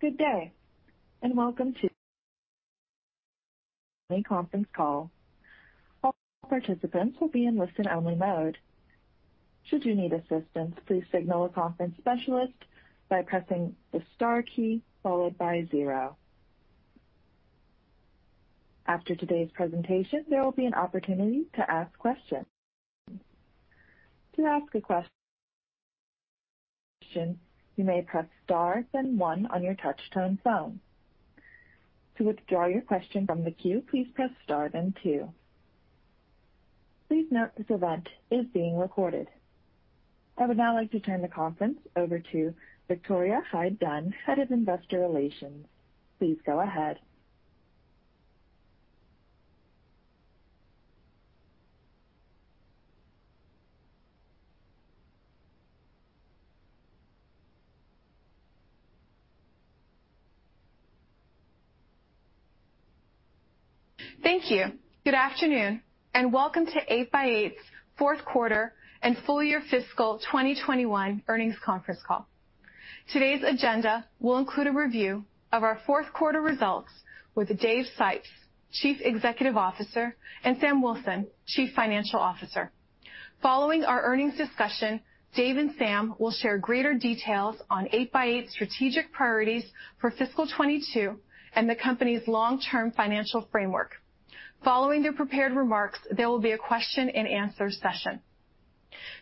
Good day, and welcome to the conference call. I would now like to turn the conference over to Victoria Hyde-Dunn, Head of Investor Relations. Please go ahead. Thank you. Good afternoon, and welcome to 8x8's fourth quarter and full year fiscal 2021 earnings conference call. Today's agenda will include a review of our fourth quarter results with Dave Sipes, Chief Executive Officer, and Sam Wilson, Chief Financial Officer. Following our earnings discussion, Dave and Sam will share greater details on 8x8's strategic priorities for fiscal 2022 and the company's long-term financial framework. Following their prepared remarks, there will be a question-and-answer session.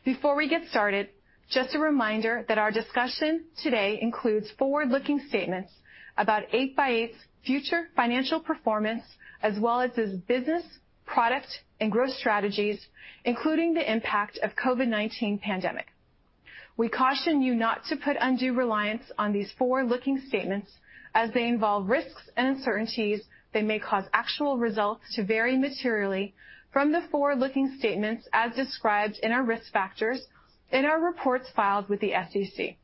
Before we get started, just a reminder that our discussion today includes forward-looking statements about 8x8's future financial performance, as well as its business, product, and growth strategies, including the impact of COVID-19 pandemic. We caution you not to put undue reliance on these forward-looking statements as they involve risks and uncertainties that may cause actual results to vary materially from the forward-looking statements as described in our risk factors in our reports filed with the SEC.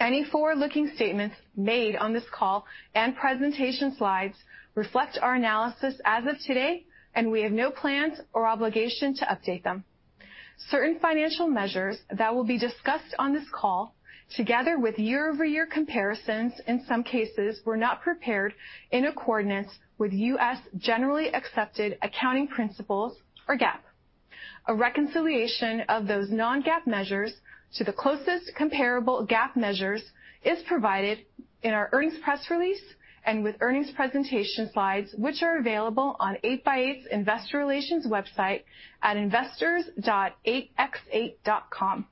Any forward-looking statements made on this call and presentation slides reflect our analysis as of today, and we have no plans or obligation to update them. Certain financial measures that will be discussed on this call, together with year-over-year comparisons, in some cases, were not prepared in accordance with U.S. Generally Accepted Accounting Principles, or GAAP. A reconciliation of those non-GAAP measures to the closest comparable GAAP measures is provided in our earnings press release and with earnings presentation slides, which are available on 8x8's Investor Relations website at investors.8x8.com.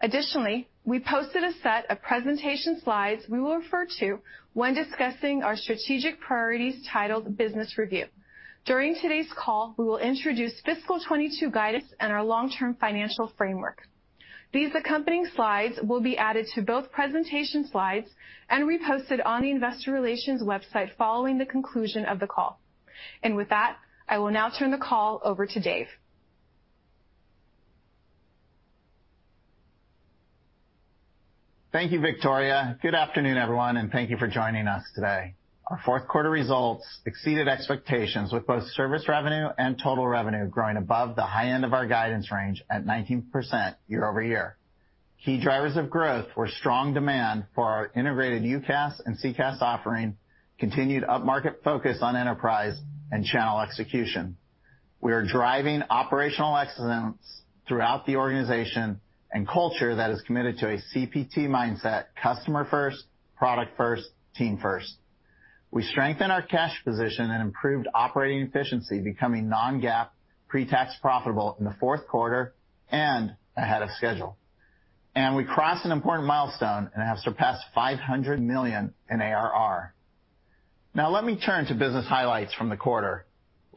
Additionally, we posted a set of presentation slides we will refer to when discussing our strategic priorities titled Business Review. During today's call, we will introduce fiscal 2022 guidance and our long-term financial framework. These accompanying slides will be added to both presentation slides and reposted on the Investor Relations website following the conclusion of the call. With that, I will now turn the call over to Dave. Thank you, Victoria. Good afternoon, everyone, and thank you for joining us today. Our fourth quarter results exceeded expectations with both service revenue and total revenue growing above the high end of our guidance range at 19% year-over-year. Key drivers of growth were strong demand for our integrated UCaaS and CCaaS offering, continued up-market focus on enterprise, and channel execution. We are driving operational excellence throughout the organization and culture that is committed to a CPT mindset, customer first, product first, team first. We strengthened our cash position and improved operating efficiency, becoming non-GAAP pre-tax profitable in the fourth quarter and ahead of schedule. We crossed an important milestone and have surpassed $500 million in ARR. Now let me turn to business highlights from the quarter.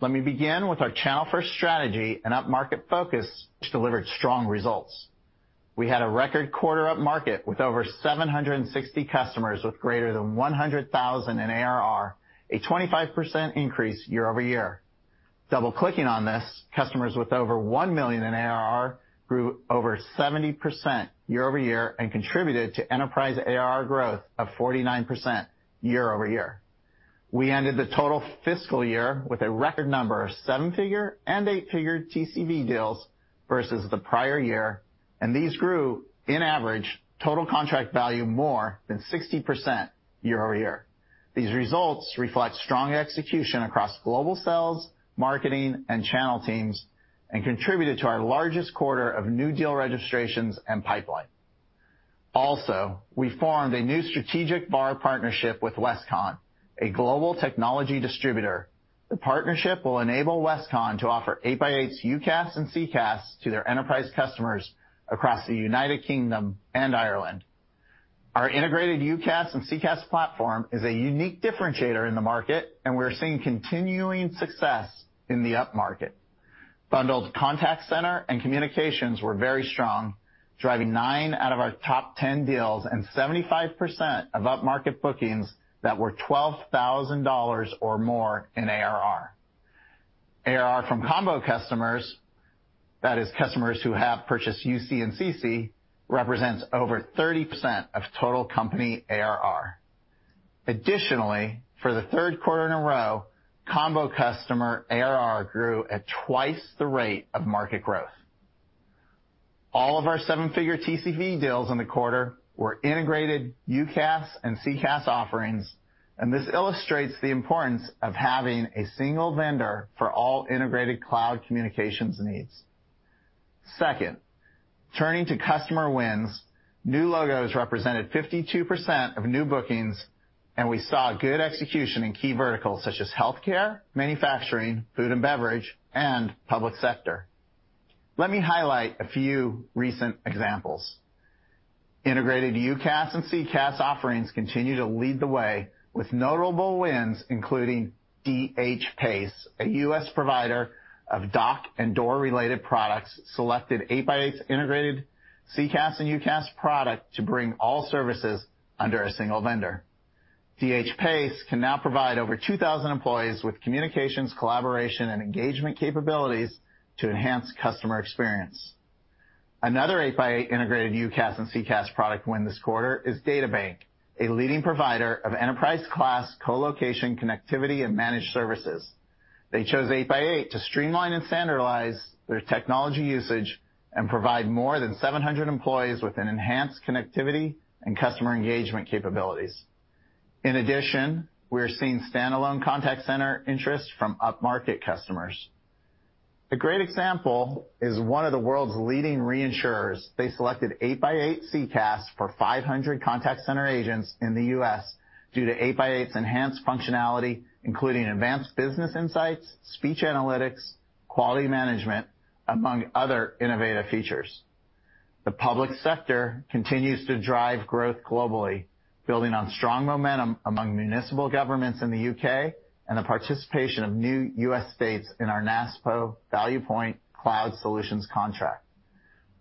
Let me begin with our channel-first strategy and up-market focus, which delivered strong results. We had a record quarter up-market with over 760 customers with greater than $100,000 in ARR, a 25% increase year-over-year. Double-clicking on this, customers with over $1 million in ARR grew over 70% year-over-year and contributed to enterprise ARR growth of 49% year-over-year. We ended the total fiscal year with a record number of seven-figure and eight-figure TCV deals versus the prior year, and these grew, in average, total contract value more than 60% year-over-year. These results reflect strong execution across global sales, marketing, and channel teams and contributed to our largest quarter of new deal registrations and pipeline. We formed a new strategic VAR partnership with Westcon, a global technology distributor. The partnership will enable Westcon to offer 8x8's UCaaS and CCaaS to their enterprise customers across the United Kingdom and Ireland. Our integrated UCaaS and CCaaS platform is a unique differentiator in the market, and we're seeing continuing success in the upmarket. Bundled contact center and communications were very strong, driving nine out of our top 10 deals and 75% of upmarket bookings that were $12,000 or more in ARR. ARR from combo customers, that is customers who have purchased UC and CC, represents over 30% of total company ARR. Additionally, for the third quarter in a row, combo customer ARR grew at twice the rate of market growth. All of our seven-figure TCV deals in the quarter were integrated UCaaS and CCaaS offerings, and this illustrates the importance of having a single vendor for all integrated cloud communications needs. Second, turning to customer wins, new logos represented 52% of new bookings, and we saw good execution in key verticals such as healthcare, manufacturing, food and beverage, and public sector. Let me highlight a few recent examples. Integrated UCaaS and CCaaS offerings continue to lead the way with notable wins, including DH Pace, a U.S. provider of dock and door-related products, selected 8x8's integrated CCaaS and UCaaS product to bring all services under a single vendor. DH Pace can now provide over 2,000 employees with communications, collaboration, and engagement capabilities to enhance customer experience. Another 8x8 integrated UCaaS and CCaaS product win this quarter is DataBank, a leading provider of enterprise-class colocation, connectivity, and managed services. They chose 8x8 to streamline and standardize their technology usage and provide more than 700 employees with an enhanced connectivity and customer engagement capabilities. In addition, we are seeing standalone contact center interest from upmarket customers. A great example is one of the world's leading reinsurers. They selected 8x8 CCaaS for 500 contact center agents in the U.S. due to 8x8's enhanced functionality, including advanced business insights, speech analytics, quality management, among other innovative features. The public sector continues to drive growth globally, building on strong momentum among municipal governments in the U.K. and the participation of new U.S. states in our NASPO ValuePoint Cloud Solutions contract.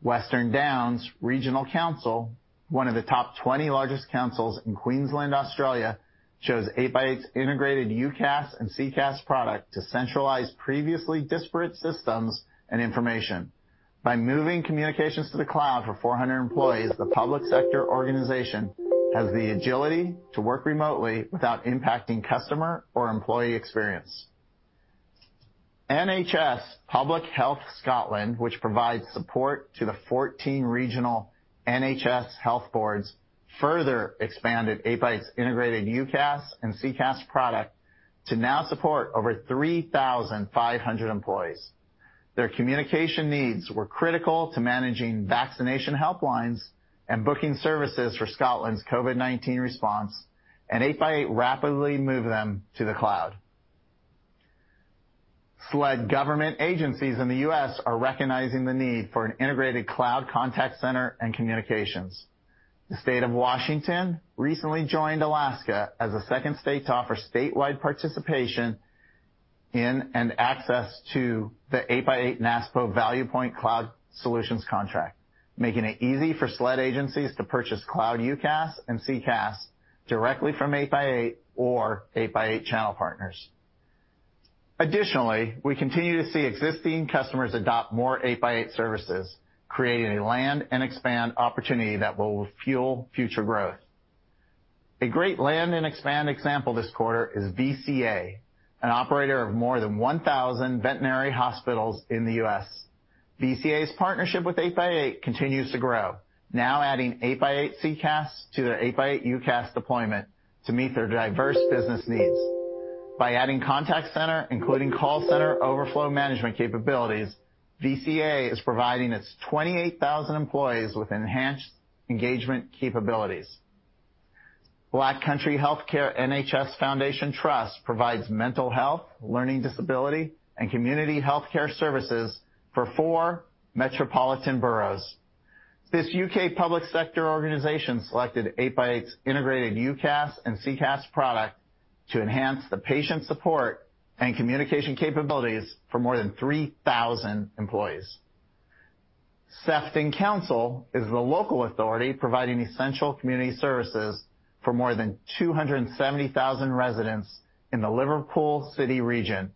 Western Downs Regional Council, one of the top 20 largest councils in Queensland, Australia, chose 8x8's integrated UCaaS and CCaaS product to centralize previously disparate systems and information. By moving communications to the cloud for 400 employees, the public sector organization has the agility to work remotely without impacting customer or employee experience. NHS Public Health Scotland, which provides support to the 14 regional NHS health boards, further expanded 8x8's integrated UCaaS and CCaaS product to now support over 3,500 employees. Their communication needs were critical to managing vaccination helplines and booking services for Scotland's COVID-19 response, and 8x8 rapidly moved them to the cloud. SLED government agencies in the U.S. are recognizing the need for an integrated cloud contact center and communications. The State of Washington recently joined Alaska as a second state to offer statewide participation in and access to the 8x8 NASPO ValuePoint Cloud Solutions contract, making it easy for SLED agencies to purchase cloud UCaaS and CCaaS directly from 8x8 or 8x8 channel partners. Additionally, we continue to see existing customers adopt more 8x8 services, creating a land and expand opportunity that will fuel future growth. A great land and expand example this quarter is VCA, an operator of more than 1,000 veterinary hospitals in the U.S. VCA's partnership with 8x8 continues to grow, now adding 8x8 CCaaS to their 8x8 UCaaS deployment to meet their diverse business needs. By adding contact center, including call center overflow management capabilities, VCA is providing its 28,000 employees with enhanced engagement capabilities. Black Country Healthcare NHS Foundation Trust provides mental health, learning disability, and community healthcare services for four metropolitan boroughs. This U.K. public sector organization selected 8x8's integrated UCaaS and CCaaS product to enhance the patient support and communication capabilities for more than 3,000 employees. Sefton Council is the local authority providing essential community services for more than 270,000 residents in the Liverpool City Region.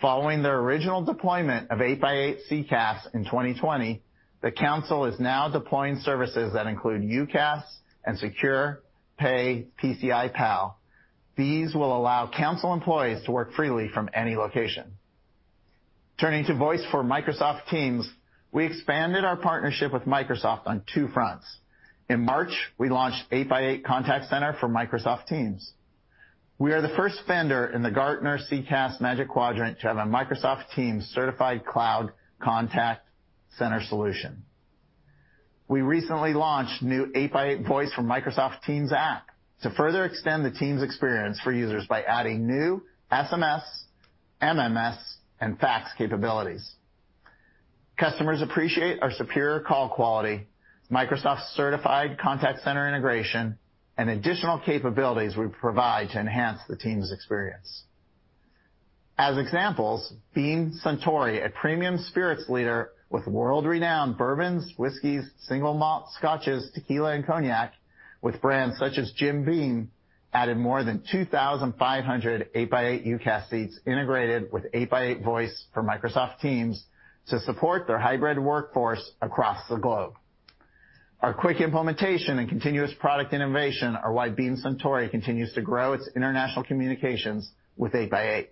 Following their original deployment of 8x8 CCaaS in 2020, the council is now deploying services that include UCaaS and Secure Pay PCI Pal. These will allow council employees to work freely from any location. Turning to Voice for Microsoft Teams, we expanded our partnership with Microsoft on two fronts. In March, we launched 8x8 Contact Center for Microsoft Teams. We are the first vendor in the Gartner CCaaS Magic Quadrant to have a Microsoft Teams certified cloud contact center solution. We recently launched new 8x8 Voice for Microsoft Teams app to further extend the Teams experience for users by adding new SMS, MMS, and fax capabilities. Customers appreciate our superior call quality, Microsoft's certified contact center integration, and additional capabilities we provide to enhance the Teams experience. As examples, Beam Suntory, a premium spirits leader with world-renowned bourbons, whiskeys, single malt scotches, tequila, and cognac with brands such as Jim Beam, added more than 2,500 8x8 UCaaS seats integrated with 8x8 Voice for Microsoft Teams to support their hybrid workforce across the globe. Our quick implementation and continuous product innovation are why Beam Suntory continues to grow its international communications with 8x8.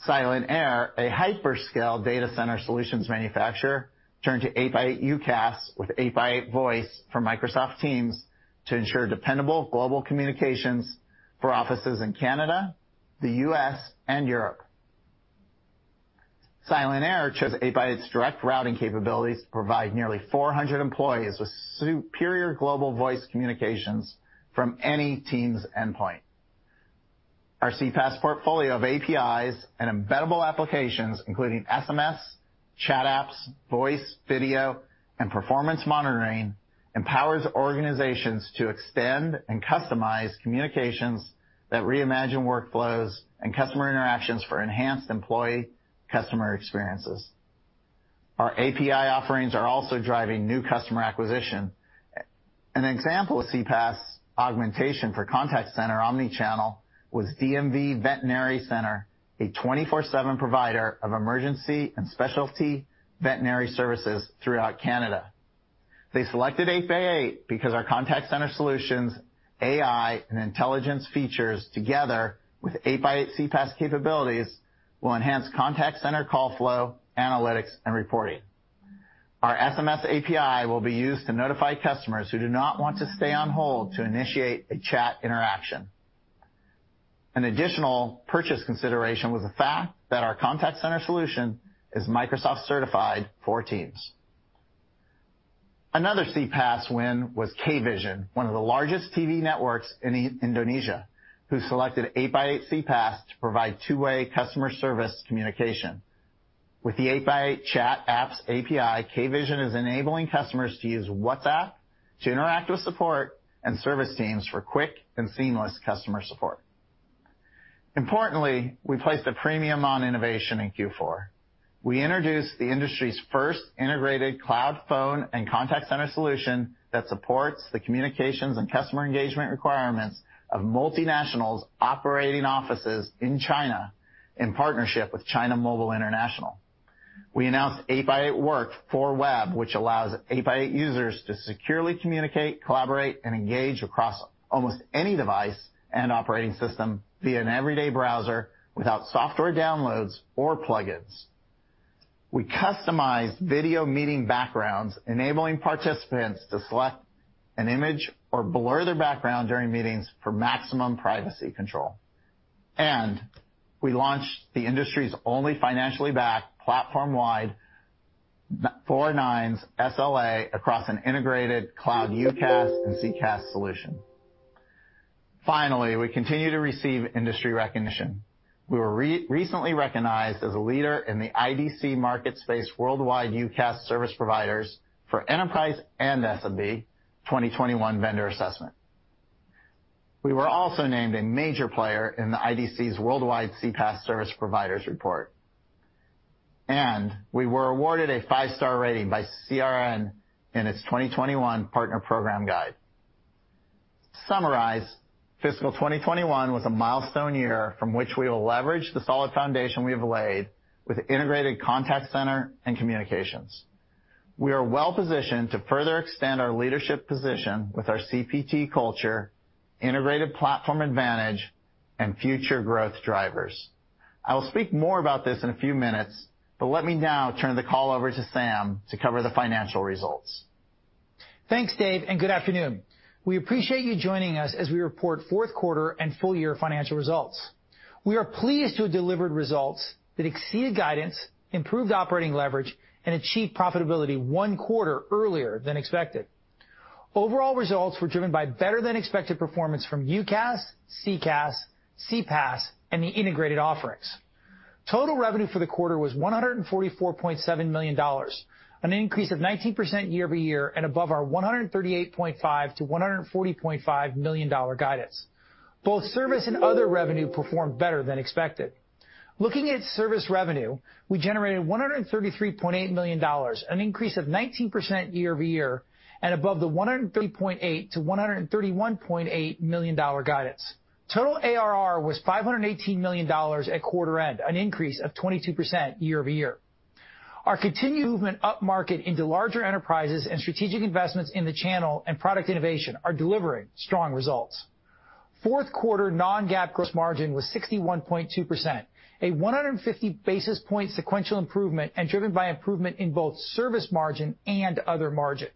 Silent-Aire, a hyperscale data center solutions manufacturer, turned to 8x8 UCaaS with 8x8 Voice for Microsoft Teams to ensure dependable global communications for offices in Canada, the U.S., and Europe. Silent-Aire chose 8x8's direct routing capabilities to provide nearly 400 employees with superior global voice communications from any Teams endpoint. Our CPaaS portfolio of APIs and embeddable applications, including SMS, chat apps, voice, video, and performance monitoring, empowers organizations to extend and customize communications that reimagine workflows and customer interactions for enhanced employee customer experiences. Our API offerings are also driving new customer acquisition. An example of CPaaS augmentation for contact center omni-channel was DMV Veterinary Center, a 24/7 provider of emergency and specialty veterinary services throughout Canada. They selected 8x8 because our contact center solutions, AI, and intelligence features together with 8x8 CPaaS capabilities will enhance contact center call flow, analytics, and reporting. Our SMS API will be used to notify customers who do not want to stay on hold to initiate a chat interaction. An additional purchase consideration was the fact that our contact center solution is Microsoft certified for Teams. Another CPaaS win was K-Vision, one of the largest TV networks in Indonesia, who selected 8x8 CPaaS to provide two-way customer service communication. With the 8x8 chat apps API, K-Vision is enabling customers to use WhatsApp to interact with support and service teams for quick and seamless customer support. Importantly, we placed a premium on innovation in Q4. We introduced the industry's first integrated cloud phone and contact center solution that supports the communications and customer engagement requirements of multinationals operating offices in China in partnership with China Mobile International. We announced 8x8 Work for Web, which allows 8x8 users to securely communicate, collaborate, and engage across almost any device and operating system via an everyday browser without software downloads or plugins. We customized video meeting backgrounds, enabling participants to select an image or blur their background during meetings for maximum privacy control. We launched the industry's only financially backed platform-wide 99.99% SLA across an integrated cloud UCaaS and CCaaS solution. Finally, we continue to receive industry recognition. We were recently recognized as a leader in the IDC MarketScape: Worldwide UCaaS Service Providers for Enterprise and SMB 2021 Vendor Assessment. We were also named a major player in the IDC's Worldwide CPaaS Service Providers report. We were awarded a five-star rating by CRN in its 2021 Partner Program Guide. To summarize, fiscal 2021 was a milestone year from which we will leverage the solid foundation we have laid with integrated contact center and communications. We are well-positioned to further extend our leadership position with our CPT culture, integrated platform advantage, and future growth drivers. I will speak more about this in a few minutes, let me now turn the call over to Sam to cover the financial results. Thanks, Dave, and good afternoon. We appreciate you joining us as we report fourth quarter and full year financial results. We are pleased to have delivered results that exceeded guidance, improved operating leverage, and achieved profitability one quarter earlier than expected. Overall results were driven by better than expected performance from UCaaS, CCaaS, CPaaS, and the integrated offerings. Total revenue for the quarter was $144.7 million, an increase of 19% year-over-year and above our $138.5 million-$140.5 million guidance. Both service and other revenue performed better than expected. Looking at service revenue, we generated $133.8 million, an increase of 19% year-over-year and above the $130.8 million-$131.8 million guidance. Total ARR was $518 million at quarter end, an increase of 22% year-over-year. Our continued movement upmarket into larger enterprises and strategic investments in the channel and product innovation are delivering strong results. Fourth quarter non-GAAP gross margin was 61.2%, a 150 basis point sequential improvement and driven by improvement in both service margin and other margin.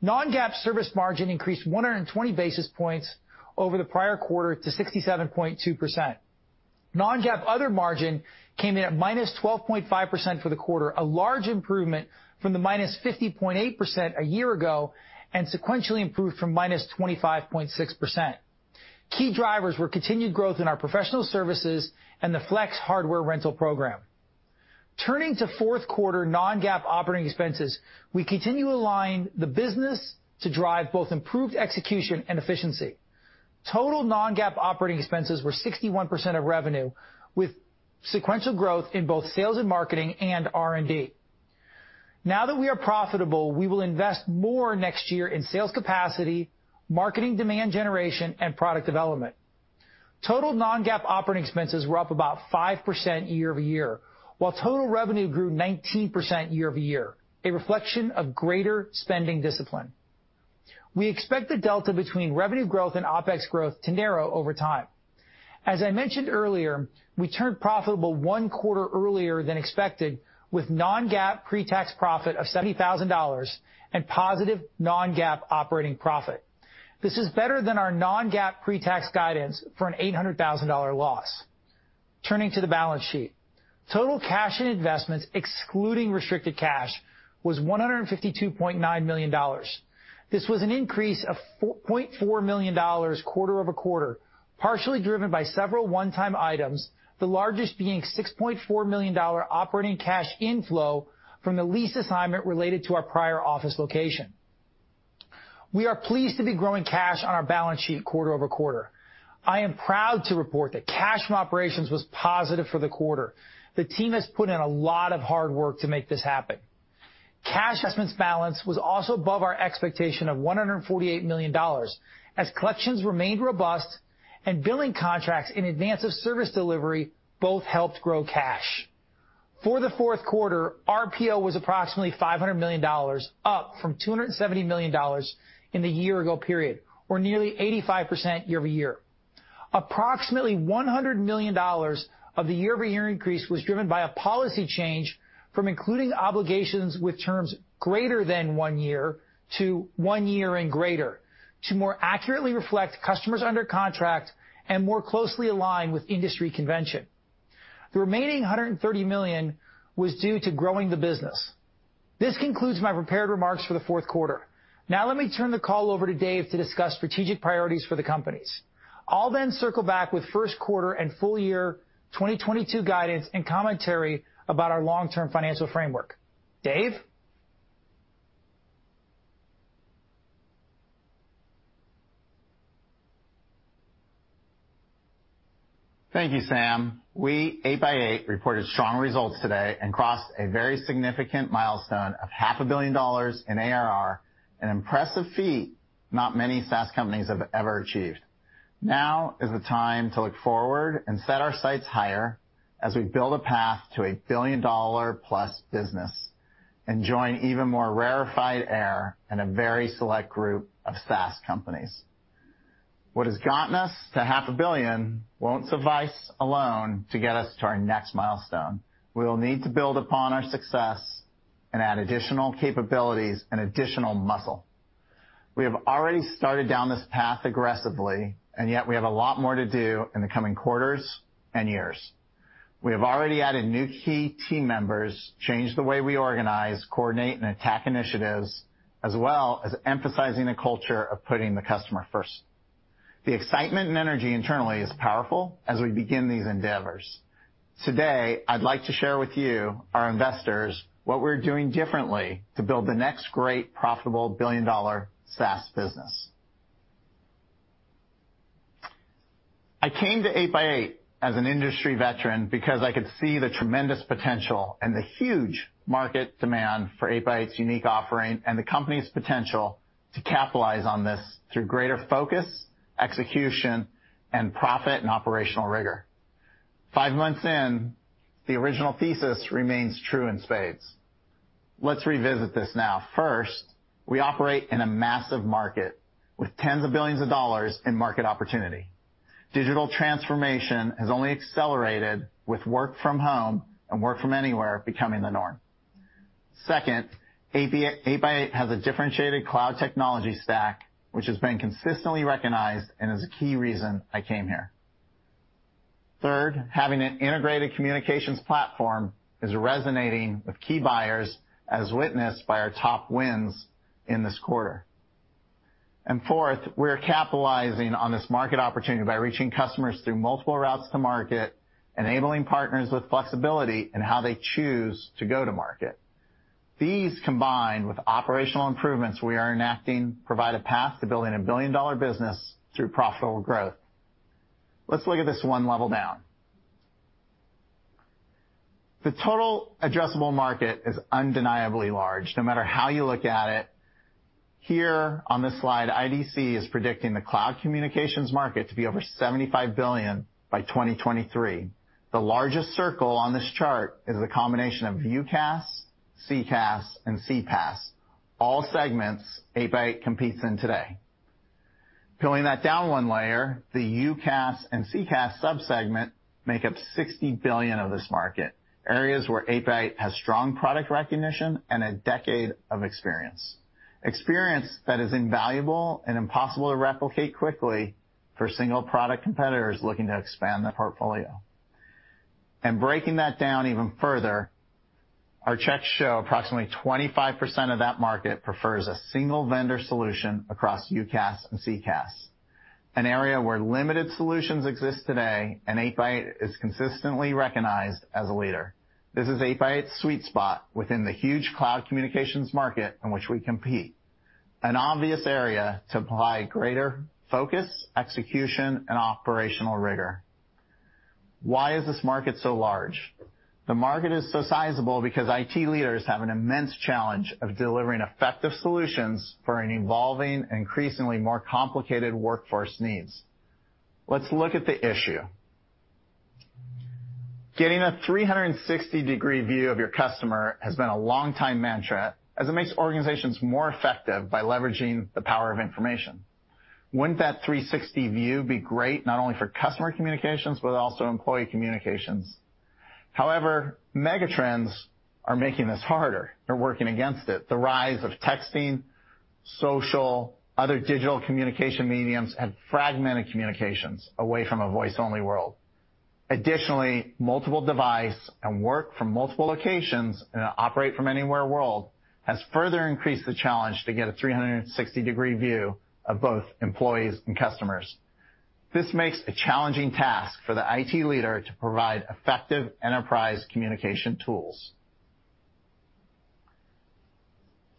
Non-GAAP service margin increased 120 basis points over the prior quarter to 67.2%. Non-GAAP other margin came in at -12.5% for the quarter, a large improvement from the -50.8% a year ago, and sequentially improved from -25.6%. Key drivers were continued growth in our professional services and the Flex hardware rental program. Turning to fourth quarter non-GAAP operating expenses, we continue aligning the business to drive both improved execution and efficiency. Total non-GAAP operating expenses were 61% of revenue, with sequential growth in both sales and marketing and R&D. Now that we are profitable, we will invest more next year in sales capacity, marketing demand generation, and product development. Total non-GAAP operating expenses were up about 5% year-over-year, while total revenue grew 19% year-over-year, a reflection of greater spending discipline. We expect the delta between revenue growth and OpEx growth to narrow over time. As I mentioned earlier, we turned profitable one quarter earlier than expected with non-GAAP pre-tax profit of $70,000 and positive non-GAAP operating profit. This is better than our non-GAAP pre-tax guidance for an $800,000 loss. Turning to the balance sheet. Total cash and investments, excluding restricted cash, was $152.9 million. This was an increase of $4.4 million quarter-over-quarter, partially driven by several one-time items, the largest being $6.4 million operating cash inflow from the lease assignment related to our prior office location. We are pleased to be growing cash on our balance sheet quarter-over-quarter. I am proud to report that cash from operations was positive for the quarter. The team has put in a lot of hard work to make this happen. Cash and investments balance was also above our expectation of $148 million, as collections remained robust and billing contracts in advance of service delivery both helped grow cash. For the fourth quarter, RPO was approximately $500 million, up from $270 million in the year-ago period, or nearly 85% year-over-year. Approximately $100 million of the year-over-year increase was driven by a policy change from including obligations with terms greater than one year to one year and greater to more accurately reflect customers under contract and more closely align with industry convention. The remaining $130 million was due to growing the business. This concludes my prepared remarks for the fourth quarter. Let me turn the call over to Dave to discuss strategic priorities for the companies. I'll circle back with first quarter and full year 2022 guidance and commentary about our long-term financial framework. Dave? Thank you, Sam. We, 8x8, reported strong results today and crossed a very significant milestone of $500 million in ARR, an impressive feat not many SaaS companies have ever achieved. Now is the time to look forward and set our sights higher as we build a path to $1+ billion business and join even more rarefied air in a very select group of SaaS companies. What has gotten us to $500 million won't survive alone to get us to our next milestone. We will need to build upon our success and add additional capabilities and additional muscle. We have already started down this path aggressively, and yet we have a lot more to do in the coming quarters and years. We have already added new key team members, changed the way we organize, coordinate, and attack initiatives, as well as emphasizing a culture of putting the customer first. The excitement and energy internally is powerful as we begin these endeavors. Today, I'd like to share with you, our investors, what we're doing differently to build the next great profitable billion-dollar SaaS business. I came to 8x8 as an industry veteran because I could see the tremendous potential and the huge market demand for 8x8's unique offering and the company's potential to capitalize on this through greater focus, execution, and profit and operational rigor. Five months in, the original thesis remains true in spades. Let's revisit this now. First, we operate in a massive market with tens of billions of dollars in market opportunity. Digital transformation has only accelerated with work from home and work from anywhere becoming the norm. Second, 8x8 has a differentiated cloud technology stack, which has been consistently recognized and is a key reason I came here. Third, having an integrated communications platform is resonating with key buyers, as witnessed by our top wins in this quarter. Fourth, we're capitalizing on this market opportunity by reaching customers through multiple routes to market, enabling partners with flexibility in how they choose to go to market. These, combined with operational improvements we are enacting, provide a path to building a billion-dollar business through profitable growth. Let's look at this one level down. The total addressable market is undeniably large, no matter how you look at it. Here on this slide, IDC is predicting the cloud communications market to be over $75 billion by 2023. The largest circle on this chart is the combination of UCaaS, CCaaS, and CPaaS, all segments 8x8 competes in today. Peeling that down one layer, the UCaaS and CCaaS sub-segment make up $60 billion of this market, areas where 8x8 has strong product recognition and a decade of experience that is invaluable and impossible to replicate quickly for single-product competitors looking to expand their portfolio. Breaking that down even further, our checks show approximately 25% of that market prefers a single-vendor solution across UCaaS and CCaaS, an area where limited solutions exist today and 8x8 is consistently recognized as a leader. This is 8x8's sweet spot within the huge cloud communications market in which we compete, an obvious area to apply greater focus, execution, and operational rigor. Why is this market so large? The market is so sizable because IT leaders have an immense challenge of delivering effective solutions for an evolving, increasingly more complicated workforce needs. Let's look at the issue. Getting a 360-degree view of your customer has been a long time mantra, as it makes organizations more effective by leveraging the power of information. Wouldn't that 360 view be great, not only for customer communications, but also employee communications? Megatrends are making this harder. They're working against it. The rise of texting, social, other digital communication mediums have fragmented communications away from a voice-only world. Multiple device and work from multiple locations in a operate from anywhere world has further increased the challenge to get a 360-degree view of both employees and customers. This makes a challenging task for the IT leader to provide effective enterprise communication tools.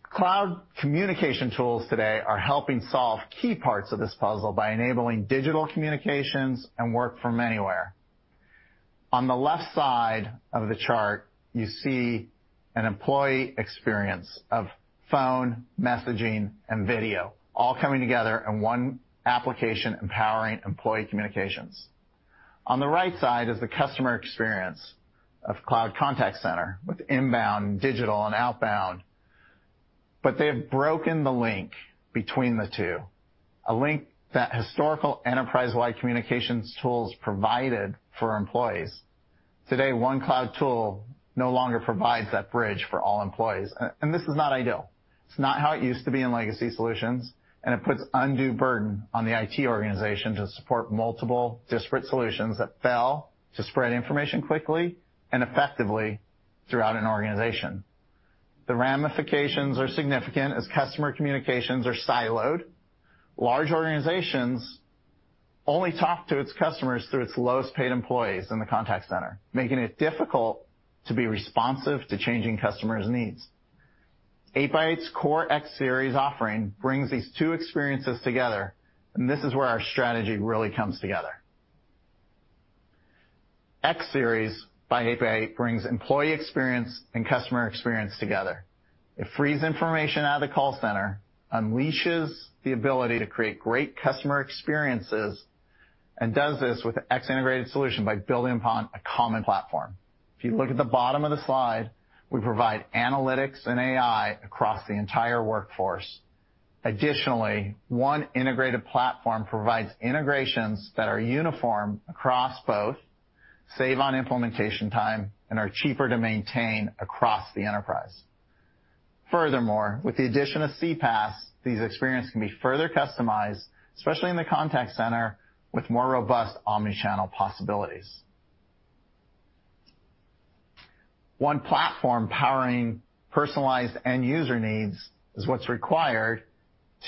Cloud communication tools today are helping solve key parts of this puzzle by enabling digital communications and work from anywhere. On the left side of the chart, you see an employee experience of phone, messaging, and video all coming together in one application empowering employee communications. On the right side is the customer experience of cloud contact center with inbound digital and outbound. They have broken the link between the two, a link that historical enterprise-wide communications tools provided for employees. Today, one cloud tool no longer provides that bridge for all employees. This is not ideal. It's not how it used to be in legacy solutions. It puts undue burden on the IT organization to support multiple disparate solutions that fail to spread information quickly and effectively throughout an organization. The ramifications are significant as customer communications are siloed. Large organizations only talk to its customers through its lowest-paid employees in the contact center, making it difficult to be responsive to changing customers' needs. 8x8's core X Series offering brings these two experiences together, and this is where our strategy really comes together. X Series by 8x8 brings employee experience and customer experience together. It frees information out of the call center, unleashes the ability to create great customer experiences, and does this with an X integrated solution by building upon a common platform. If you look at the bottom of the slide, we provide analytics and AI across the entire workforce. Additionally, one integrated platform provides integrations that are uniform across both, save on implementation time, and are cheaper to maintain across the enterprise. Furthermore, with the addition of CPaaS, these experiences can be further customized, especially in the contact center with more robust omni-channel possibilities. One platform powering personalized end user needs is what's required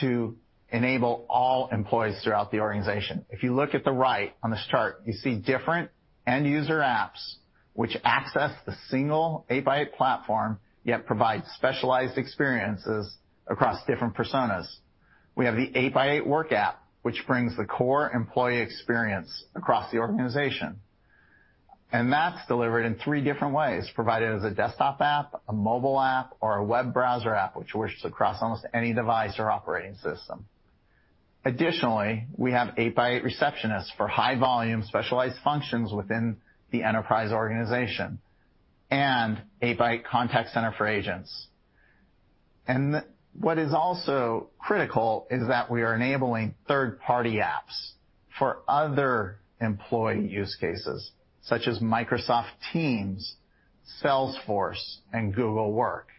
to enable all employees throughout the organization. If you look at the right on this chart, you see different end user apps which access the single 8x8 platform, yet provide specialized experiences across different personas. We have the 8x8 Work app, which brings the core employee experience across the organization. That's delivered in three different ways, provided as a desktop app, a mobile app, or a web browser app, which works across almost any device or operating system. Additionally, we have 8x8 Receptionist for high volume specialized functions within the enterprise organization, and 8x8 Contact Center for Agents. What is also critical is that we are enabling third-party apps for other employee use cases, such as Microsoft Teams, Salesforce, and Google Workspace.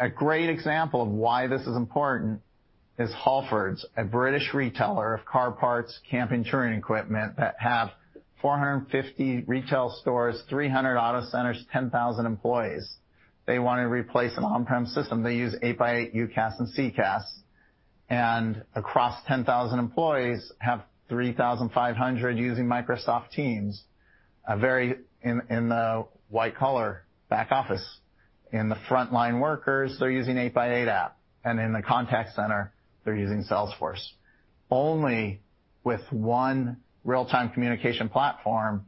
A great example of why this is important is Halfords, a British retailer of car parts, camping, touring equipment that have 450 retail stores, 300 auto centers, 10,000 employees. They want to replace an on-prem system. They use 8x8 UCaaS and CCaaS, and across 10,000 employees have 3,500 using Microsoft Teams, are very, in the white collar back office. In the frontline workers, they're using 8x8 app. In the contact center they're using Salesforce. Only with one real-time communication platform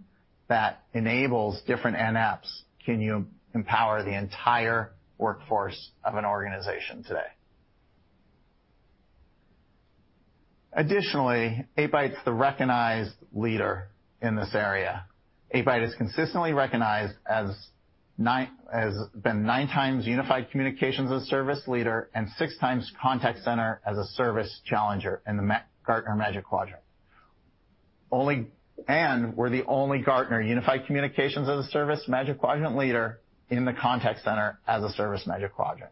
that enables different end apps, continue empower the entire workforce of an organization today. Additionally, 8x8's the recognized leader in this area. 8x8 has consistently been nine times Unified Communications as a Service leader and six times Contact Center as a Service challenger in the Gartner Magic Quadrant. We're the only Gartner Unified Communications as a Service Magic Quadrant leader in the Contact Center as a Service Magic Quadrant.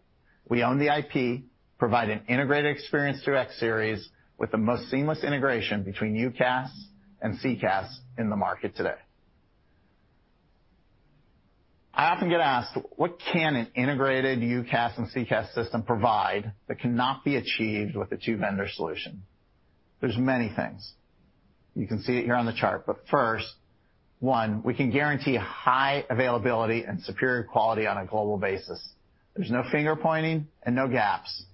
We own the IP, provide an integrated experience through X Series with the most seamless integration between UCaaS and CCaaS in the market today. I often get asked, what can an integrated UCaaS and CCaaS system provide that cannot be achieved with a two-vendor solution? There's many things. You can see it here on the chart. First, one, we can guarantee high availability and superior quality on a global basis. There's no finger pointing and no gaps.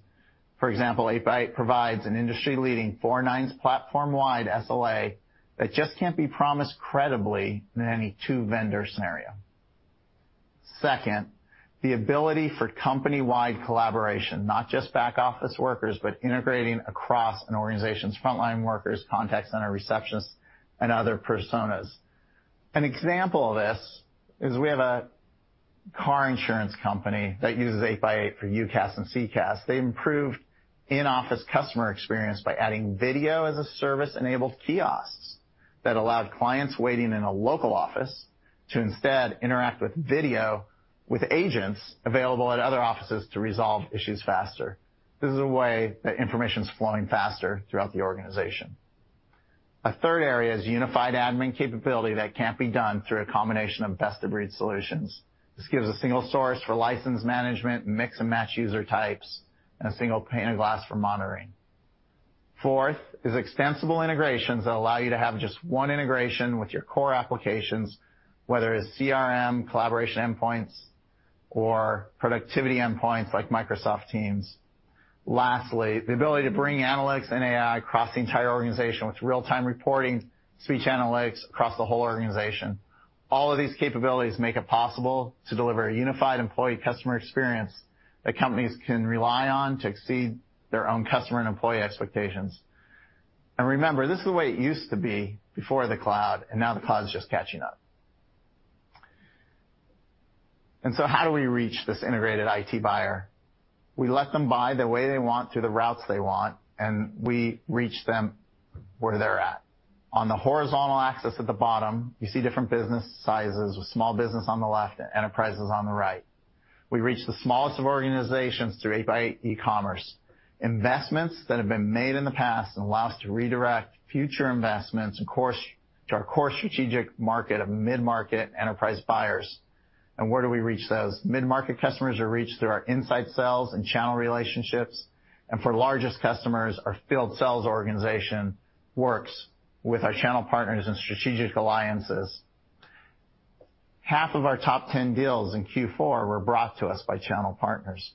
For example, 8x8 provides an industry-leading 99.99% platform-wide SLA that just can't be promised credibly in any two-vendor scenario. The ability for company-wide collaboration, not just back office workers, but integrating across an organization's frontline workers, contact center receptionists, and other personas. An example of this is we have a car insurance company that uses 8x8 for UCaaS and CCaaS. They improved in-office customer experience by adding video-as-a-service enabled kiosks that allowed clients waiting in a local office to instead interact with video with agents available at other offices to resolve issues faster. This is a way that information's flowing faster throughout the organization. A third area is unified admin capability that can't be done through a combination of best-of-breed solutions. This gives a single source for license management, mix and match user types, and a single pane of glass for monitoring. Fourth is extensible integrations that allow you to have just one integration with your core applications, whether it's CRM, collaboration endpoints, or productivity endpoints like Microsoft Teams. Lastly, the ability to bring analytics and AI across the entire organization with real-time reporting, speech analytics across the whole organization. All of these capabilities make it possible to deliver a unified employee customer experience that companies can rely on to exceed their own customer and employee expectations. Remember, this is the way it used to be before the cloud, now the cloud's just catching up. How do we reach this integrated IT buyer? We let them buy the way they want through the routes they want, and we reach them where they're at. On the horizontal axis at the bottom, you see different business sizes, with small business on the left and enterprises on the right. We reach the smallest of organizations through 8x8 e-commerce. Investments that have been made in the past and allow us to redirect future investments to our core strategic market of mid-market enterprise buyers. Where do we reach those? Mid-market customers are reached through our inside sales and channel relationships. For largest customers, our field sales organization works with our channel partners and strategic alliances. Half of our top 10 deals in Q4 were brought to us by channel partners.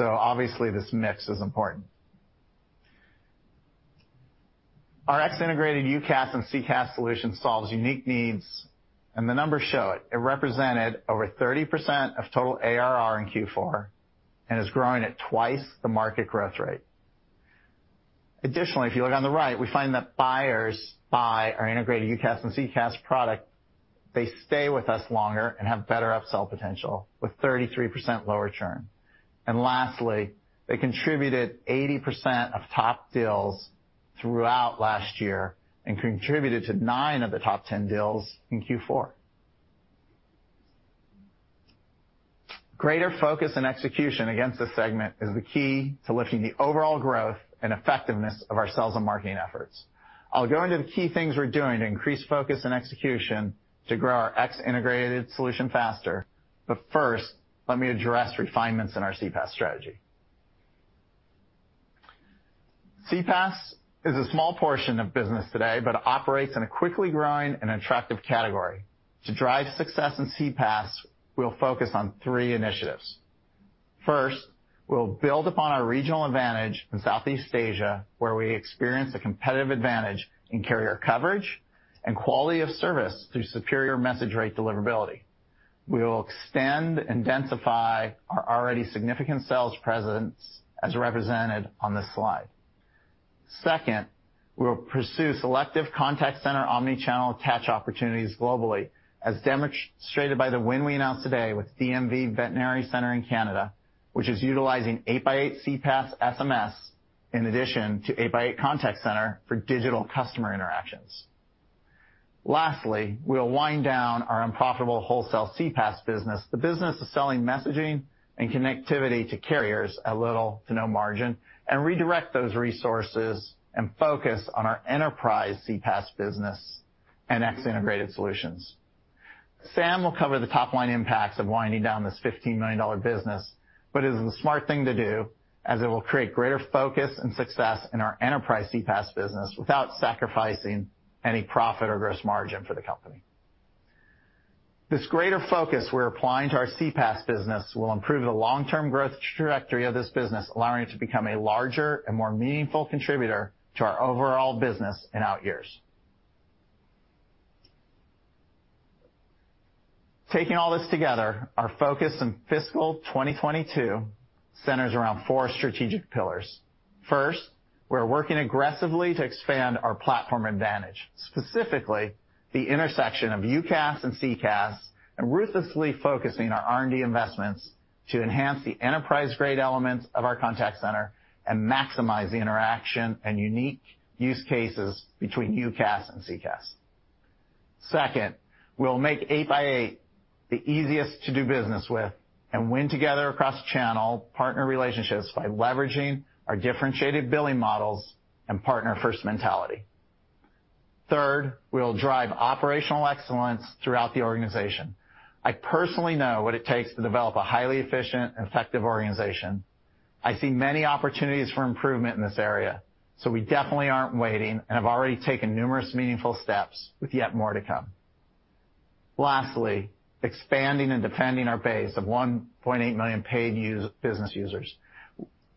Obviously, this mix is important. Our X Series integrated UCaaS and CCaaS solution solves unique needs, and the numbers show it. It represented over 30% of total ARR in Q4 and is growing at twice the market growth rate. Additionally, if you look on the right, we find that buyers buy our integrated UCaaS and CCaaS product. They stay with us longer and have better upsell potential, with 33% lower churn. Lastly, they contributed 80% of top deals throughout last year and contributed to nine of the top 10 deals in Q4. Greater focus and execution against this segment is the key to lifting the overall growth and effectiveness of our sales and marketing efforts. I'll go into the key things we're doing to increase focus and execution to grow our X integrated solution faster. First, let me address refinements in our CPaaS strategy. CPaaS is a small portion of business today, but operates in a quickly growing and attractive category. To drive success in CPaaS, we'll focus on three initiatives. First, we'll build upon our regional advantage in Southeast Asia, where we experience a competitive advantage in carrier coverage and quality of service through superior message rate deliverability. We will extend and densify our already significant sales presence as represented on this slide. Second, we will pursue selective contact center omni-channel attach opportunities globally, as demonstrated by the win we announced today with DMV Veterinary Center in Canada, which is utilizing 8x8 CPaaS SMS in addition to 8x8 Contact Center for digital customer interactions. Lastly, we'll wind down our unprofitable wholesale CPaaS business. Redirect those resources and focus on our enterprise CPaaS business and X integrated solutions. Sam will cover the top-line impacts of winding down this $15 million business. It is the smart thing to do, as it will create greater focus and success in our enterprise CPaaS business without sacrificing any profit or gross margin for the company. This greater focus we're applying to our CPaaS business will improve the long-term growth trajectory of this business, allowing it to become a larger and more meaningful contributor to our overall business in out years. Taking all this together, our focus in fiscal 2022 centers around four strategic pillars. We're working aggressively to expand our platform advantage, specifically the intersection of UCaaS and CCaaS, and ruthlessly focusing our R&D investments to enhance the enterprise-grade elements of our contact center and maximize the interaction and unique use cases between UCaaS and CCaaS. We'll make 8x8 the easiest to do business with and win together across channel partner relationships by leveraging our differentiated billing models and partner-first mentality. We'll drive operational excellence throughout the organization. I personally know what it takes to develop a highly efficient and effective organization. I see many opportunities for improvement in this area. We definitely aren't waiting and have already taken numerous meaningful steps with yet more to come. Expanding and defending our base of 1.8 million paid business users.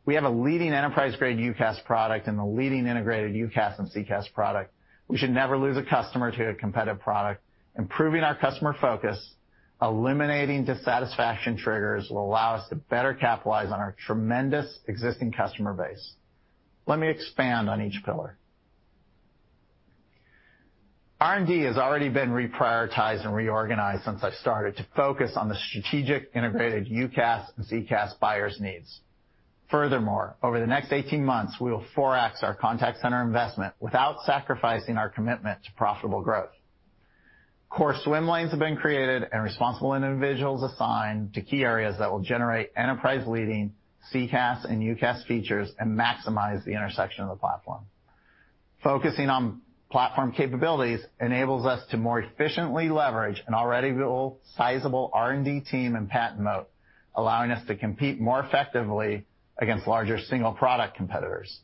We have a leading enterprise-grade UCaaS product and a leading integrated UCaaS and CCaaS product. We should never lose a customer to a competitive product. Improving our customer focus, eliminating dissatisfaction triggers will allow us to better capitalize on our tremendous existing customer base. Let me expand on each pillar. R&D has already been reprioritized and reorganized since I started to focus on the strategic integrated UCaaS and CCaaS buyers' needs. Furthermore, over the next 18 months, we will 4x our contact center investment without sacrificing our commitment to profitable growth. Core swim lanes have been created and responsible individuals assigned to key areas that will generate enterprise-leading CCaaS and UCaaS features and maximize the intersection of the platform. Focusing on platform capabilities enables us to more efficiently leverage an already real sizable R&D team and patent moat, allowing us to compete more effectively against larger single product competitors.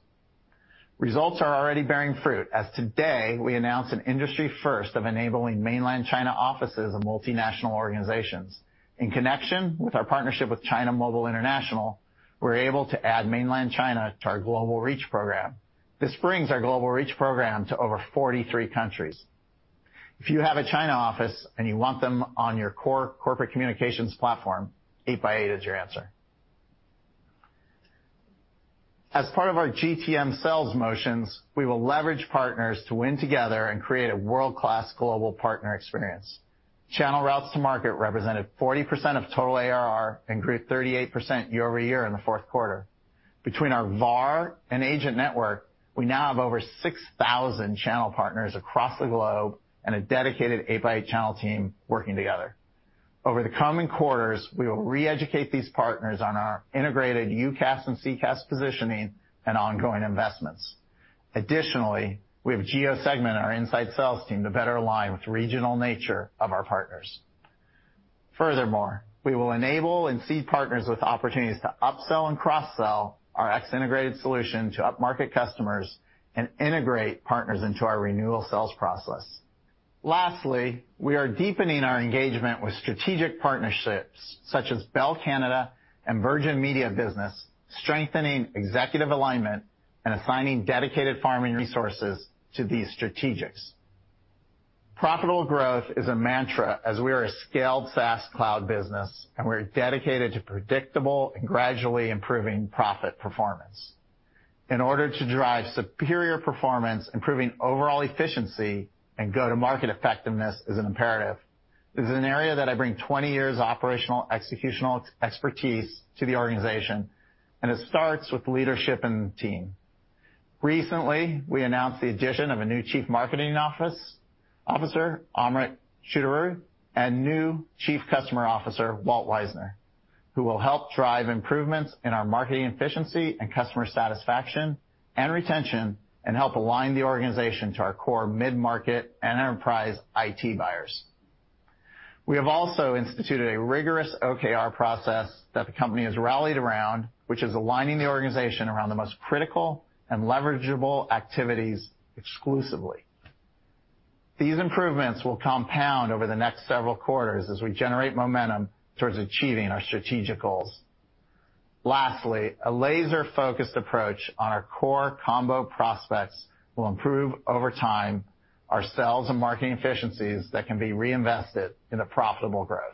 Results are already bearing fruit, as today, we announce an industry first of enabling Mainland China offices of multinational organizations. In connection with our partnership with China Mobile International, we're able to add Mainland China to our Global Reach Program. This brings our Global Reach Program to over 43 countries. If you have a China office and you want them on your core corporate communications platform, 8x8 is your answer. As part of our GTM sales motions, we will leverage partners to win together and create a world-class global partner experience. Channel routes to market represented 40% of total ARR and grew 38% year-over-year in the fourth quarter. Between our VAR and agent network, we now have over 6,000 channel partners across the globe and a dedicated 8x8 channel team working together. Over the coming quarters, we will re-educate these partners on our integrated UCaaS and CCaaS positioning and ongoing investments. Additionally, we have geo-segmented our inside sales team to better align with the regional nature of our partners. Furthermore, we will enable and seed partners with opportunities to upsell and cross-sell our X Series integrated solution to upmarket customers and integrate partners into our renewal sales process. Lastly, we are deepening our engagement with strategic partnerships such as Bell Canada and Virgin Media Business, strengthening executive alignment, and assigning dedicated farming resources to these strategics. Profitable growth is a mantra as we are a scaled SaaS cloud business, and we're dedicated to predictable and gradually improving profit performance. In order to drive superior performance, improving overall efficiency and go-to-market effectiveness is an imperative. This is an area that I bring 20 years of operational executional expertise to the organization, and it starts with leadership and the team. Recently, we announced the addition of a new Chief Marketing Officer, Amrit Chaudhuri, and new Chief Customer Officer, Walt Weisner, who will help drive improvements in our marketing efficiency and customer satisfaction and retention and help align the organization to our core mid-market and enterprise IT buyers. We have also instituted a rigorous OKR process that the company has rallied around, which is aligning the organization around the most critical and leverageable activities exclusively. These improvements will compound over the next several quarters as we generate momentum towards achieving our strategic goals. Lastly, a laser-focused approach on our core combo prospects will improve over time our sales and marketing efficiencies that can be reinvested into profitable growth.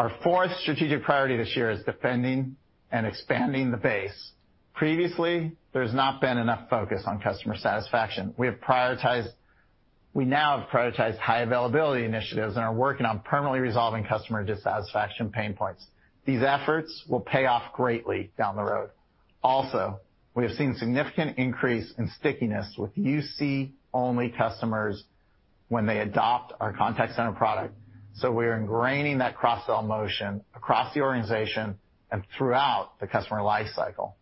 Our fourth strategic priority this year is defending and expanding the base. Previously, there's not been enough focus on customer satisfaction. We now have prioritized high availability initiatives and are working on permanently resolving customer dissatisfaction pain points. These efforts will pay off greatly down the road. We have seen significant increase in stickiness with UC-only customers when they adopt our contact center product. We are ingraining that cross-sell motion across the organization and throughout the customer life cycle.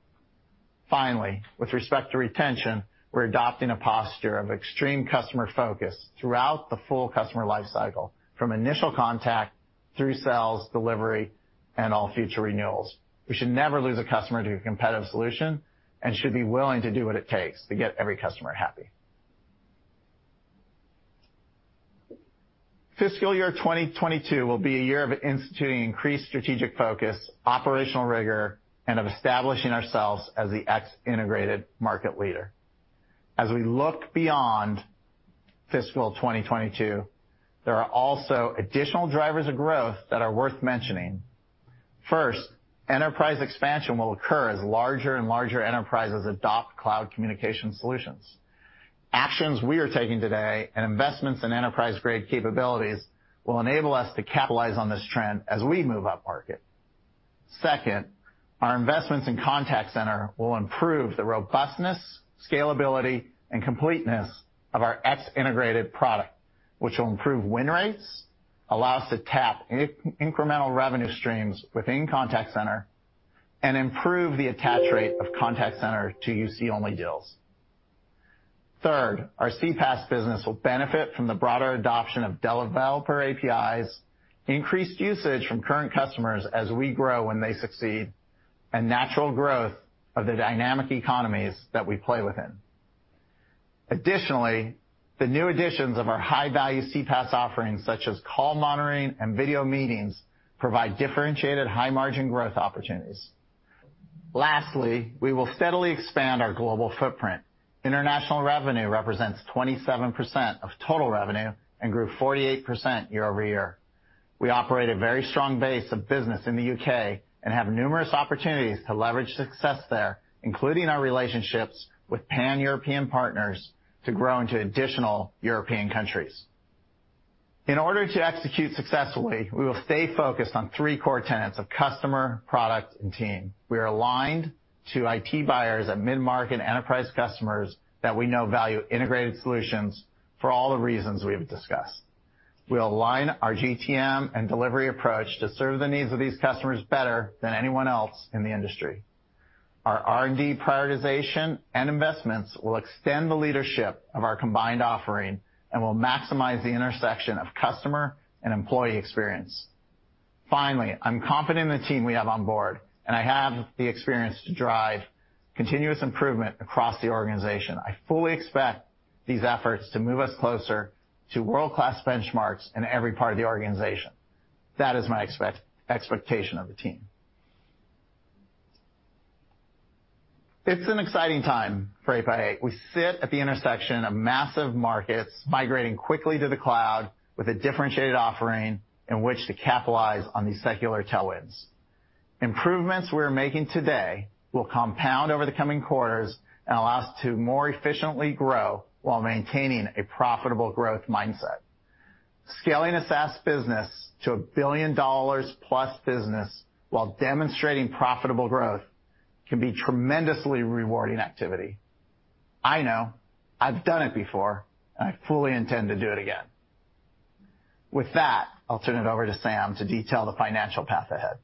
With respect to retention, we're adopting a posture of extreme customer focus throughout the full customer life cycle, from initial contact through sales, delivery, and all future renewals. We should never lose a customer to a competitive solution and should be willing to do what it takes to get every customer happy. Fiscal year 2022 will be a year of instituting increased strategic focus, operational rigor, and of establishing ourselves as the X integrated market leader. As we look beyond fiscal 2022, there are also additional drivers of growth that are worth mentioning. First, enterprise expansion will occur as larger and larger enterprises adopt cloud communication solutions. Actions we are taking today and investments in enterprise-grade capabilities will enable us to capitalize on this trend as we move upmarket. Second, our investments in contact center will improve the robustness, scalability, and completeness of our X integrated product, which will improve win rates, allow us to tap incremental revenue streams within contact center, and improve the attach rate of contact center to UC-only deals. Third, our CPaaS business will benefit from the broader adoption of developer APIs, increased usage from current customers as we grow when they succeed. Natural growth of the dynamic economies that we play within. Additionally, the new additions of our high-value CPaaS offerings, such as call monitoring and video meetings, provide differentiated high-margin growth opportunities. Lastly, we will steadily expand our global footprint. International revenue represents 27% of total revenue and grew 48% year-over-year. We operate a very strong base of business in the U.K. and have numerous opportunities to leverage success there, including our relationships with Pan-European partners, to grow into additional European countries. In order to execute successfully, we will stay focused on three core tenets of customer, product, and team. We are aligned to IT buyers at mid-market enterprise customers that we know value integrated solutions for all the reasons we have discussed. We align our GTM and delivery approach to serve the needs of these customers better than anyone else in the industry. Our R&D prioritization and investments will extend the leadership of our combined offering and will maximize the intersection of customer and employee experience. Finally, I'm confident in the team we have on board, and I have the experience to drive continuous improvement across the organization. I fully expect these efforts to move us closer to world-class benchmarks in every part of the organization. That is my expectation of the team. It's an exciting time for 8x8. We sit at the intersection of massive markets migrating quickly to the cloud with a differentiated offering in which to capitalize on these secular tailwinds. Improvements we're making today will compound over the coming quarters and allow us to more efficiently grow while maintaining a profitable growth mindset. Scaling a SaaS business to $1+ billion business while demonstrating profitable growth can be tremendously rewarding activity. I know. I've done it before. I fully intend to do it again. With that, I'll turn it over to Sam to detail the financial path ahead.